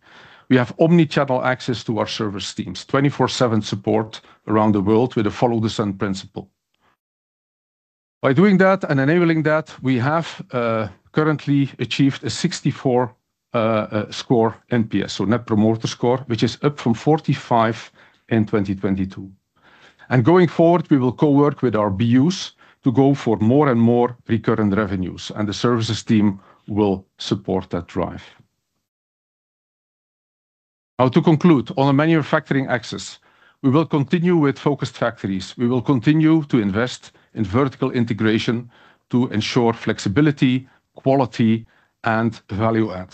We have omnichannel access to our service teams, 24/7 support around the world with a follow-the-sun principle. By doing that and enabling that, we have currently achieved a 64 NPS, so net promoter score, which is up from 45 in 2022, and going forward we will co-work with our business to go for more and more recurring revenues and the services team will support that drive. Now to conclude on the Manufacturing axis. We will continue with focused factories. We will continue to invest in vertical integration to ensure flexibility, quality, and value add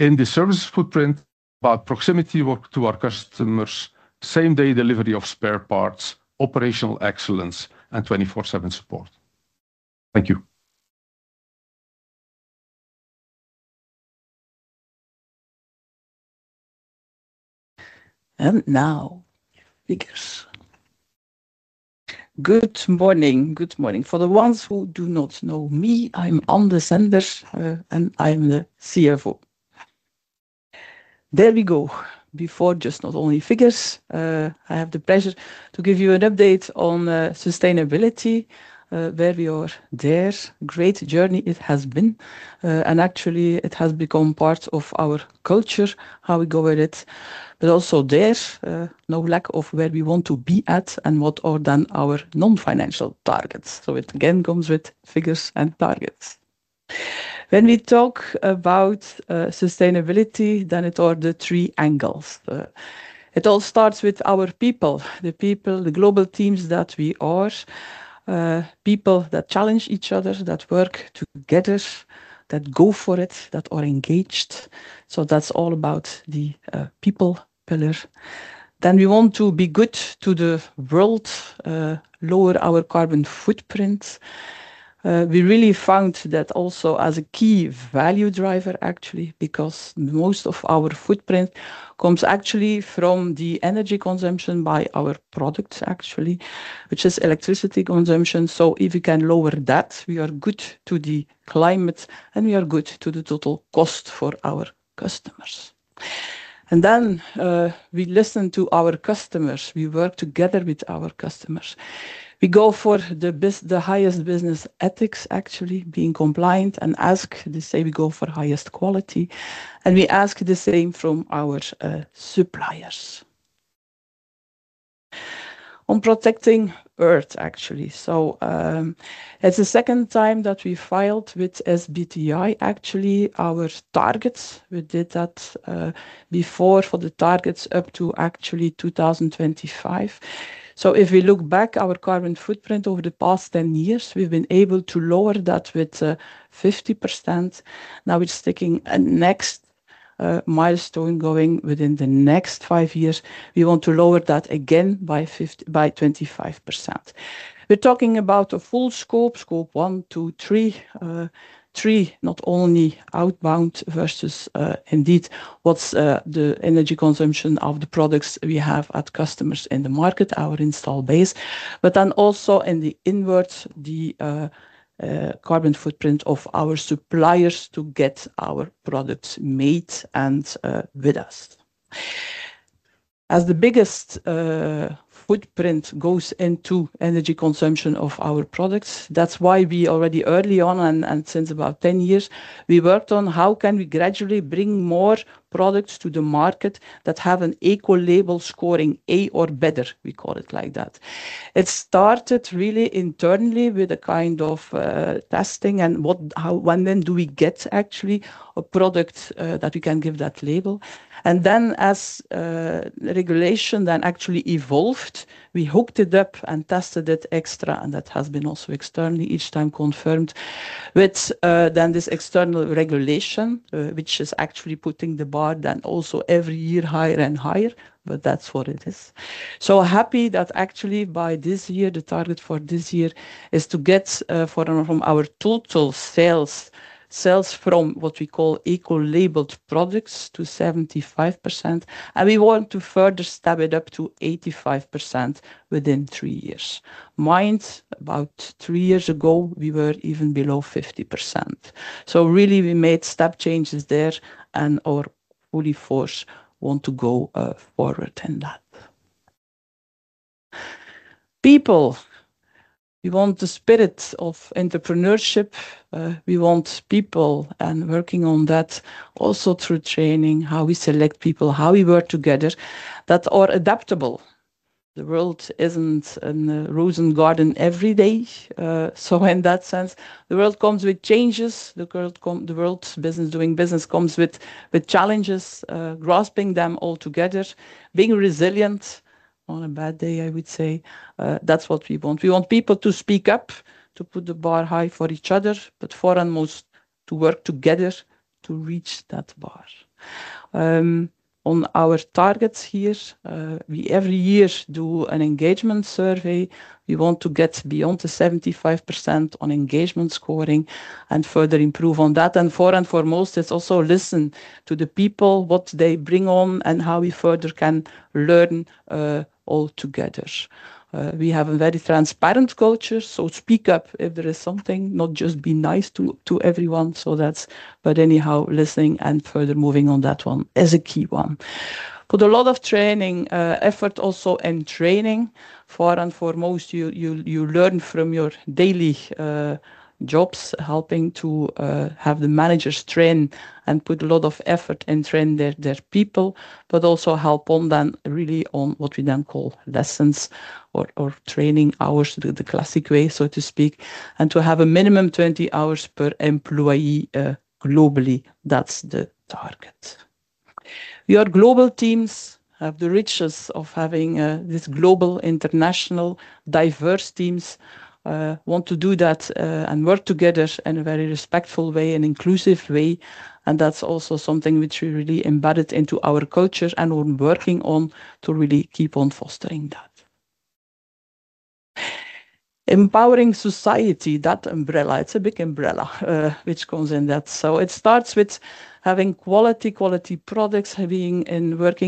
in the service footprint about proximity work to our customers, same day delivery of spare parts, operational excellence, and 24/7 support. Thank you. Now figures. Good morning. Good morning. For the ones who do not know me, I'm Ann Desender and I'm the CFO. There we go. Before just not only figures. I have the pleasure to give you an update on sustainability. Where we are there, great journey it has been and actually it has become part of our culture, how we go at it, but also there is no lack of where we want to be at and what are then our non-financial targets. It again comes with figures and targets. When we talk about sustainability, it is the three angles. It all starts with our people, the people, the global teams that we are. People that challenge each other, that work together, that go for it, that are engaged. That's all about the people pillar. We want to be good to the world, lower our carbon footprint. We really found that also as a key value driver actually because most of our footprint comes actually from the energy consumption by our products, which is electricity consumption. If we can lower that, we are good to the climate and we are good to the total cost for our customers. We listen to our customers, we work together with our customers. We go for the highest business ethics, actually being compliant, and as they say, we go for highest quality and we ask the same from our suppliers on protecting earth actually. It is the second time that we filed with SBTI actually our targets. We did that before for the targets up to 2025. If we look back, our carbon footprint over the past 10 years, we've been able to lower that by 50%. Now it's taking a next milestone, going within the next five years. We want to lower that again by 25%. We're talking about a full scope, scope 1, 2, 3. Not only outbound versus indeed what's the energy consumption of the products we have at customers in the market, our install base, but also in and the invert the carbon footprint of our suppliers to get our products made. With us, as the biggest footprint goes into energy consumption of our products. That's why we already early on and since about 10 years, we worked on how can we gradually bring more products to the market that have an eco label scoring A or better. We call it like that. It started really internally with a kind of testing. When then do we get actually a product that we can give that label. As regulation then actually evolved, we hooked it up and tested it extra. That has been also externally each time confirmed with this external regulation, which is actually putting the bar then also every year higher and higher. That's what it is. Happy that actually by this year the target for this year is to get from our total sales, sales from what we call eco-labeled products to 75%, and we want to further step it up to 85% within three years. Mind about three years ago we were even below 50%. We really made step changes there, and our full force wants to go forward in that, people. We want the spirit of entrepreneurship. We want people working on that also through training, how we select people, how we work together that are adaptable. The world isn't a rose garden every day. In that sense, the world comes with changes. The world, doing business, comes with challenges. Grasping them all together, being resilient on a bad day, I would say that's what we want. We want people to speak up, to put the bar high for each other. Foremost, to work together to reach that bar. On our targets here, we every year do an engagement survey. We want to get beyond the 75% on engagement scoring and further improve on that. Foremost, it's also listening to the people, what they bring on, and how we further can learn all together. We have a very transparent culture. Speak up if there is something, not just be nice to everyone. Anyhow, listening and further moving on, that one is a key one. Put a lot of training effort also, and training, far and foremost, you learn from your daily jobs. Helping to have the managers train and put a lot of effort and train their people, but also help on them really on what we then call lessons or training hours, the classic way so to speak, and to have a minimum 20 hours per employee globally. That's the target. Your global teams have the riches of having these global international diverse teams, want to do that and work together in a very respectful way, an inclusive way. That's also something which we really embedded into our culture, and we're working on to really keep on fostering that empowering society. That umbrella, it's a big umbrella which comes in that. It starts with having quality, quality products, working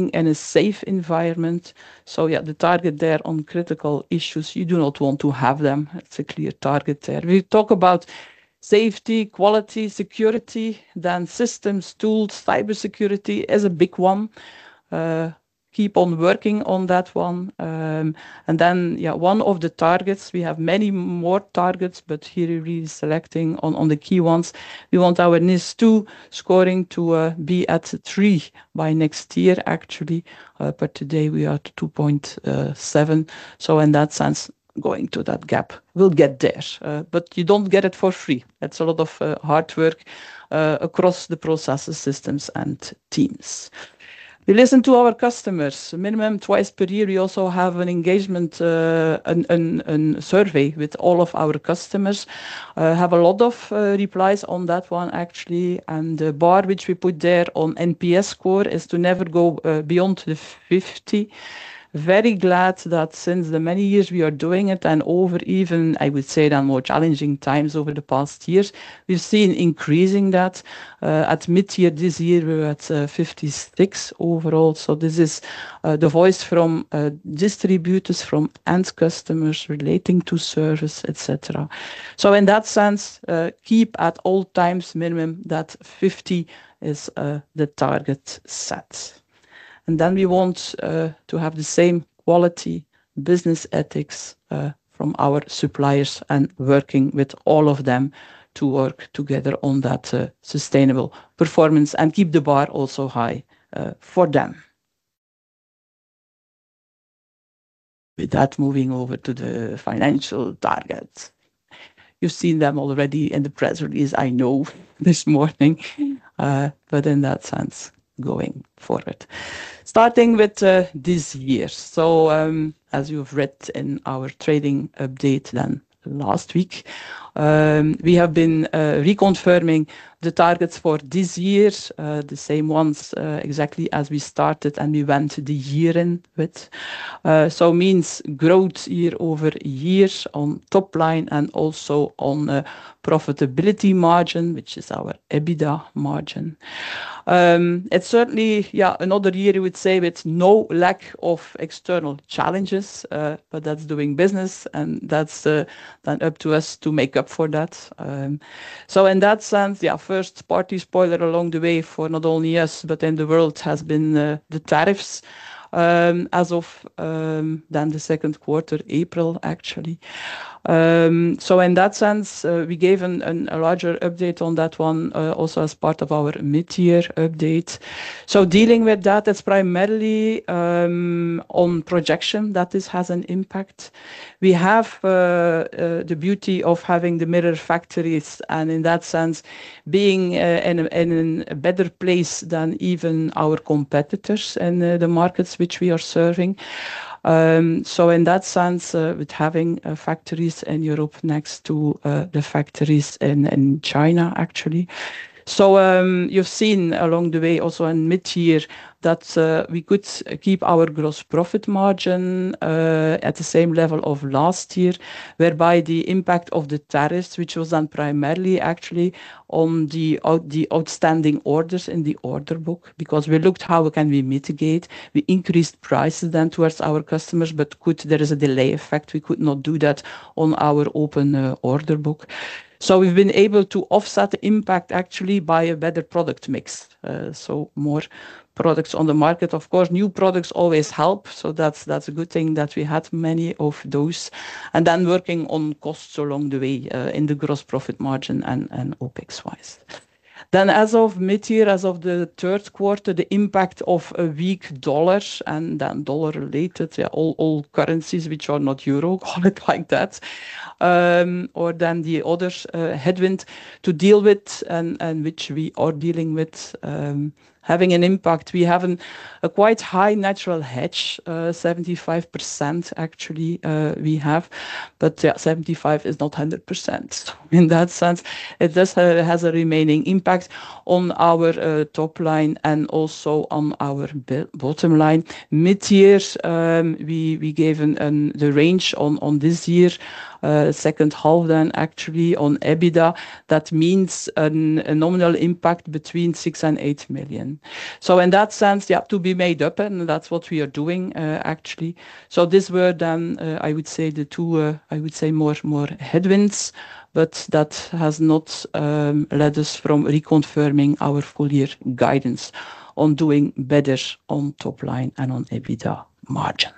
in a safe environment. The target there on critical issues, you do not want to have them. It's a clear target there. We talk about safety, quality, security, then systems tools, cyber security is a big one, keep on working on that one and then one of the targets. We have many more targets, but here really selecting on the key ones. We want our NIST 2 scoring to be at 3 by next year actually. Today we are at 2.7. In that sense, going to that gap will get there, but you don't get it for free. That's a lot of hard work across the processes, systems, and teams. We listen to our customers minimum twice per year. We also have an engagement survey with all of our customers. Have a lot of replies on that one actually. The bar which we put there on NPS score is to never go beyond the 50. Very glad that since the many years we are doing it and over even I would say the more challenging times over the past years we've seen increasing that at mid year this year we're at 56 overall. This is the voice from distributors, from end customers relating to service etc. In that sense, keep at all times minimum that 50 is the target set and then we want to have the same quality business ethics from our suppliers and working with all of them to work together on that sustainable performance and keep the bar also high for them. With that, moving over to the financial targets, you've seen them already in the press release, I know this morning. In that sense, going forward starting with this year. As you've read in our trading update last week, we have been reconfirming the targets for this year, the same ones exactly as we started and we went to the year end with, so means growth year over year on top line and also on profitability margin, which is our EBITDA margin, and it's certainly another year you would say with no lack of external challenges, but that's doing business and that's up to us to make up for that. In that sense, first party spoiler along the way for not only us but in the world has been the tariffs as of then the second quarter April actually. In that sense, we gave a larger update on that one also as part of our mid year update. Dealing with that, it's primarily on projection that this has an impact. We have the beauty of having the mirror factories and in that sense being in a better place than even our competitors and the markets which we are serving. In that sense, with having factories in Europe next to the factories in China actually. You've seen along the way also in mid year that we could keep our gross profit margin at the same level of last year, whereby the impact of the tariffs, which was done primarily actually on the outstanding orders in the order book, because we looked how can we mitigate. We increased prices then towards our customers, but there is a delay effect. We could not do that on our open order book. We've been able to offset impact actually by a better product mix, so more products on the market. Of course, new products always help. That's a good thing that we had many of those. Working on costs along the way in the gross profit margin and OpEx wise, then as of mid year, as of the third quarter, the impact of a weak dollar and then dollar-related, all currencies which are not euro, call it like the other headwind to deal with and which we are dealing with, having an impact. We have a quite high natural hedge, 75% actually we have, but 75% is not 100%. In that sense, it does have a remaining impact on our top line and also on our bottom line. Mid year we gave the range on this year, second half then actually on EBITDA, that means a nominal impact between €6 million and €8 million. In that sense, you have to be made up, and that's what we are doing actually. These were then, I would say, the two, I would say, much more headwinds, but that has not led us from reconfirming our full year guidance on doing better on top line and on EBITDA margin.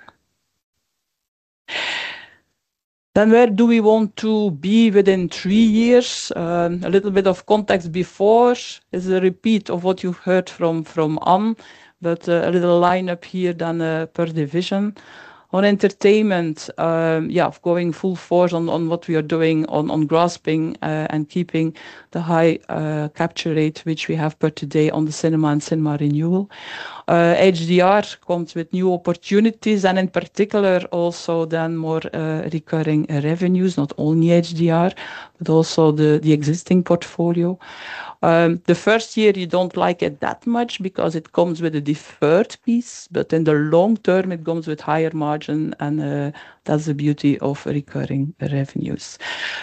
Where do we want to be within three years? A little bit of context before is a repeat of what you heard from An Steegen, but a little line up here done per division on Entertainment. Going full force on what we are doing on grasping and keeping the high capture rate which we have per today on the cinema and cinema renewal. HDR by Barco comes with new opportunities and in particular also then more recurring revenues. Not only HDR by Barco but also the existing portfolio. The first year you don't like it that much because it comes with a deferred piece, but in the long term it comes with higher margin. That's the beauty of recurring revenues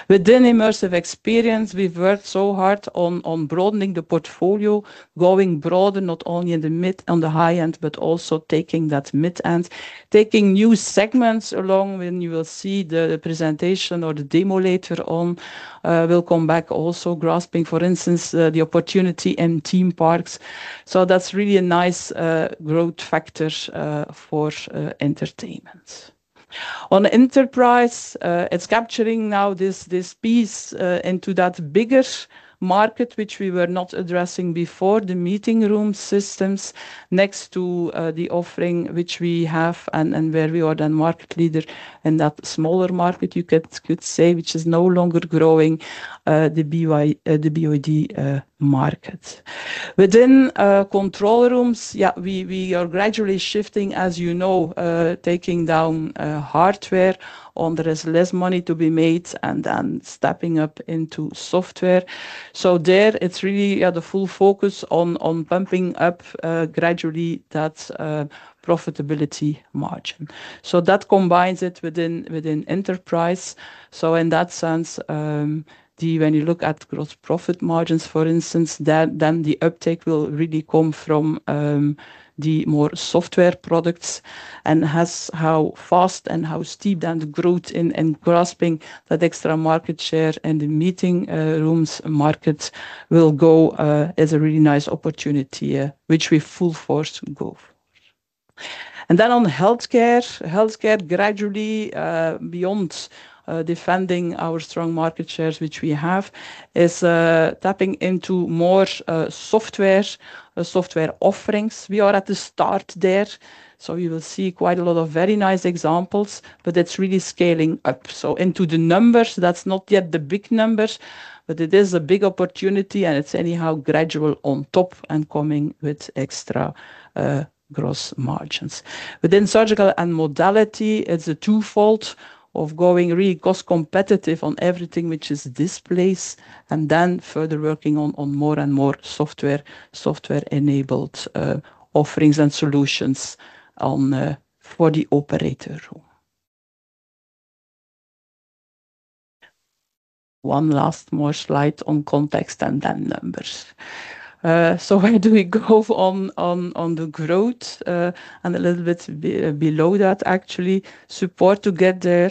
within Immersive Experience. We've worked so hard on broadening the portfolio, going broader not only in the mid on the high end but also taking that mid end, taking new segments along. When you will see the presentation or the demo later on, will come back. Also grasping, for instance, the opportunity in theme parks. That's really a nice growth factor for Entertainment. On Enterprise it's capturing now this piece into that bigger market which we were not addressing before. The meeting room systems next to the offering which we have and where we are then market leader in that smaller market you could say which is no longer growing, the BYD market within control rooms. We are gradually shifting as you know, taking down whole hardware on there is less money to be made and then stepping up into software. There it's really the full focus on bumping up gradually that profitability margin. That combines it within Enterprise. In that sense, when you look at gross profit margins for instance, the uptake will really come from the more software products and has how fast and how steeped and growth in grasping that extra market share. The meeting rooms market will go as a really nice opportunity which we full force go for. On Healthcare, Healthcare gradually beyond defending our strong market shares which we have is tapping into more software software offerings. We are at the start there. You will see quite a lot of very nice examples. It's really scaling up so into the numbers. That's not yet the big numbers, but it is a big opportunity. It's anyhow gradual on top and coming with extra gross margins within surgical and modality. It's a twofold of going really cost competitive on everything which is displays and then further working on more and more software software enabled offerings and solutions for the operator room. One last more slide on context and then numbers. Where do we go on the growth? A little bit below that actually support to get there.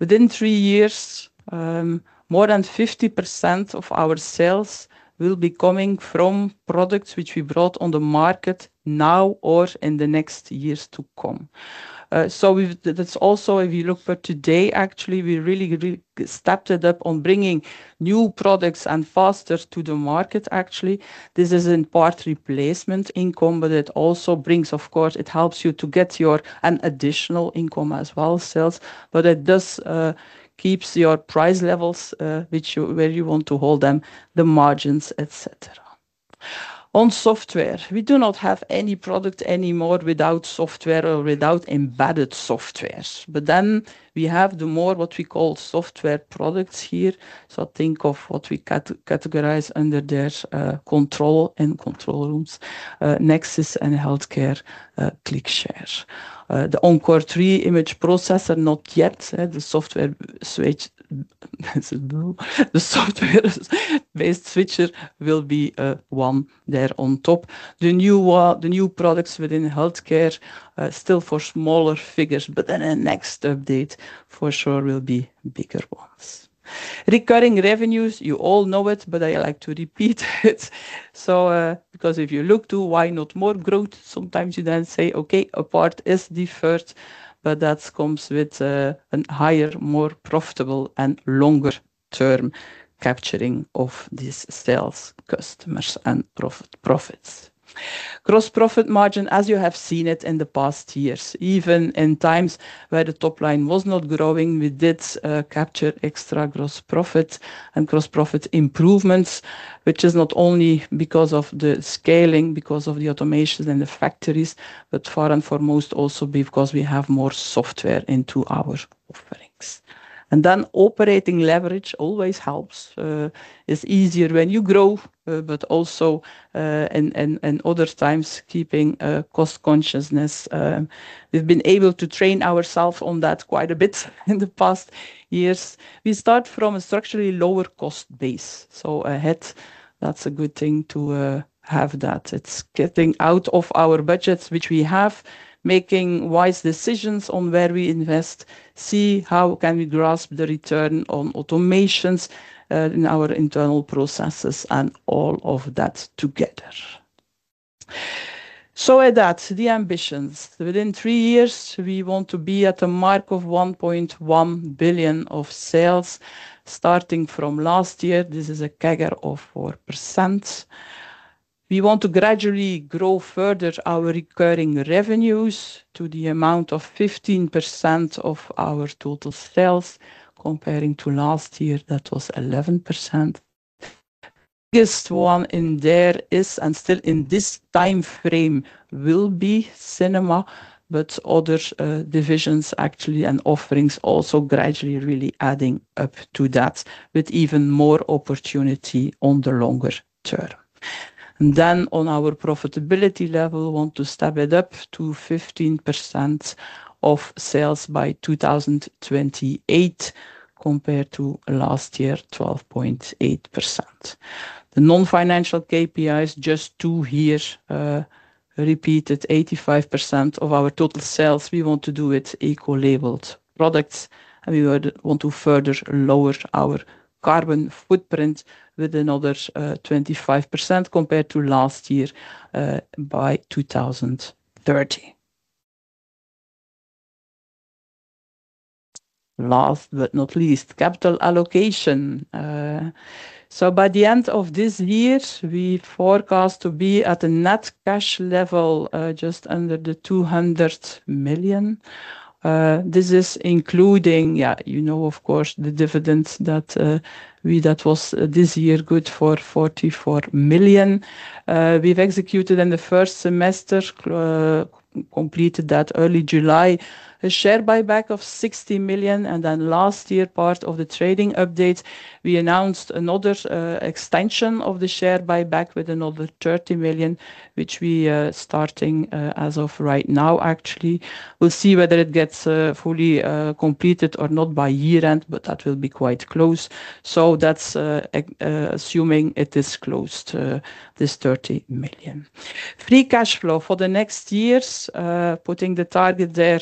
Within three years, more than 50% of our sales will be coming from products which we brought on the market now or in the next years to come. If you look for today, actually we really stepped it up on bringing new products and faster to the market. Actually this is in part replacement income, but it also brings of course it helps you to get your an additional income as well sales. It does keep your price levels which where you want to hold them, the margins, etc. On software, we do not have any product anymore without software or without embedded software. Then we have the more what we call software products here. Think of what we categorize under their control and control rooms Nexxis and Healthcare ClickShare. The Encore3 image processor, not yet the software software switch. The software-based switcher will be one there on top. The new products within Healthcare still for smaller figures. But then the next update for sure will be bigger ones recurring revenues. You all know it, but I like to repeat it. If you look to why not more growth, sometimes you then say okay, a part is defined preferred. That comes with a higher, more profitable, and longer-term capturing of these sales, customers, and profit, profits, gross profit margin as you have seen it in the past years. Even in times where the top line was not growing, we did capture extra gross profit and gross profit improvements, which is not only because of the scaling, because of the automations and the fact that factories, but far and foremost also because we have more software into our offerings. Operating leverage always helps. It's easier when you grow, but also in other times keeping cost consciousness. We've been able to train ourselves on that quite a bit in the past years. We start from a structurally lower cost base, so ahead that's a good thing to have, that it's getting out of our budgets, which we have, making wise decisions on where we invest. See how can we grasp the return on automations in our internal processes and all of that together. At that, the ambitions within three years, we want to be at a mark of €1.1 billion of sales. Starting from last year, this is a CAGR of 4%. We want to gradually grow further our recurring revenues to the amount of 15% of our total sales. Comparing to last year, that was 11%. This one in there is and still in this time frame will be cinema, but other divisions actually and offerings also gradually really adding up to that with even more opportunity on the longer term. On our profitability level, want to step it up to 15% of sales by 2028 compared to last year 12.8%. The non-financial KPIs, just 2 here repeated, 85% of our total sales. We want to do it equally products, and we would want to further lower our carbon footprint with another 25% compared to last year by 2030. Last but not least, capital allocation. By the end of this year, we forecast to be at a net cash level just under the €200 million. This is including, you know, of course, the dividends that we, that was this year good for €44 million. We've executed in the first semester, completed that early July, a share buyback of €60 million. Last year, as part of the trading update, we announced another extension of the share buyback with another €30 million, which we are starting as of right now. We'll see whether it gets fully completed or not by year end, but that will be quite close. Assuming it is closed, this €30 million free cash flow for the next years puts the target there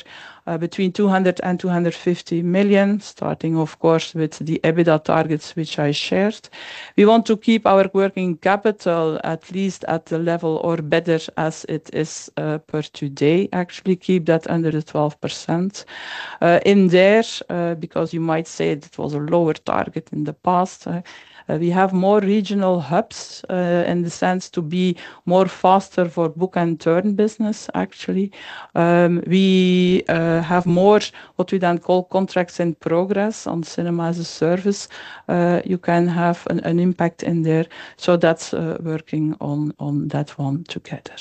between €200 million and €250 million. Starting, of course, with the EBITDA targets which I shared, we want to keep our working capital at least at the level or better as it is per today. Actually, keep that under the 12% in there because you might say it was a lower target in the past. We have more regional hubs in the sense to be faster for book and turn business. We have more, what we then call, contracts in progress on Cinema as a Service. You can have an impact in there. That's working on that one. Together,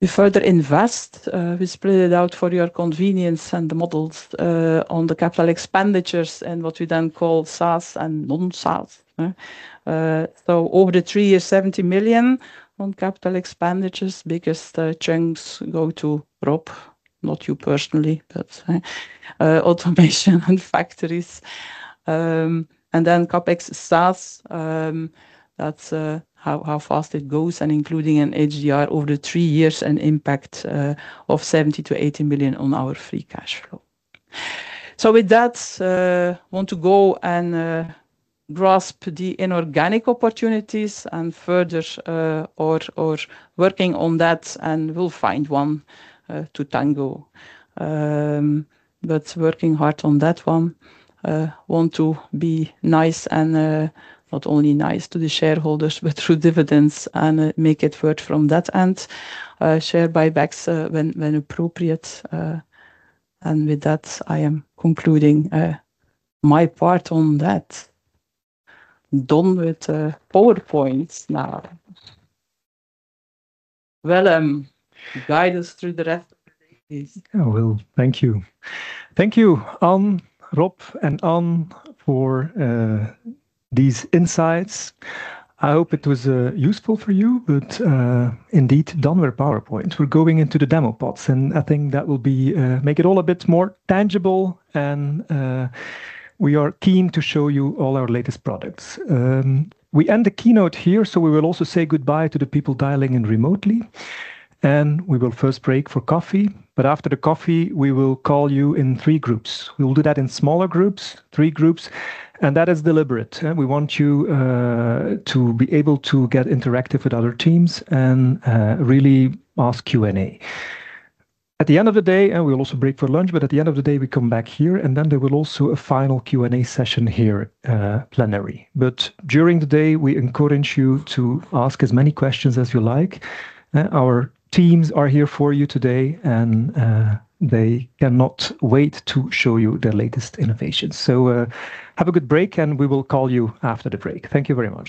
we further invest. We split it out for your convenience in the models on the capital expenditures and what we then call SaaS and non-SaaS. Over the three years, €70 million on capital expenditures. Biggest chunks go to Rob, not you personally, but automation and factories, and then CapEx SaaS. That's how fast it goes. Including an HDR over three years, an impact of €70 million to €80 million on our free cash flow. With that, I want to go and grasp the inorganic opportunities and further are working on that, and we'll find one to tangle, but working hard on that one. Want to be nice and not only nice to the shareholders but through dividends and make it worth from that end, share buybacks when appropriate. With that, I am concluding my part on that. Done with PowerPoints now, guide us through the rest of the days. Thank you, Rob and An, for these insights. I hope it was useful for you. Indeed, done with PowerPoint, we're going into the demo pods, and I think that will make it all a bit more tangible. We are keen to show you all our latest products. We end the keynote here, so we will also say goodbye to the people dialing in remotely, and we will first break for coffee. After the coffee, we will call you in three groups. We will do that in smaller groups—three groups, and that is deliberate. We want you to be able to get interactive with other teams and really ask Q and A at the end of the day. We will also break for lunch, but at the end of the day, we come back here, and then there will also be a final Q and A session here, plenary. During the day, we encourage you to ask as many questions as you like. Our teams are here for you today, and they cannot wait to show you the latest innovations. Have a good break, and we will call you after the break. Thank you very much.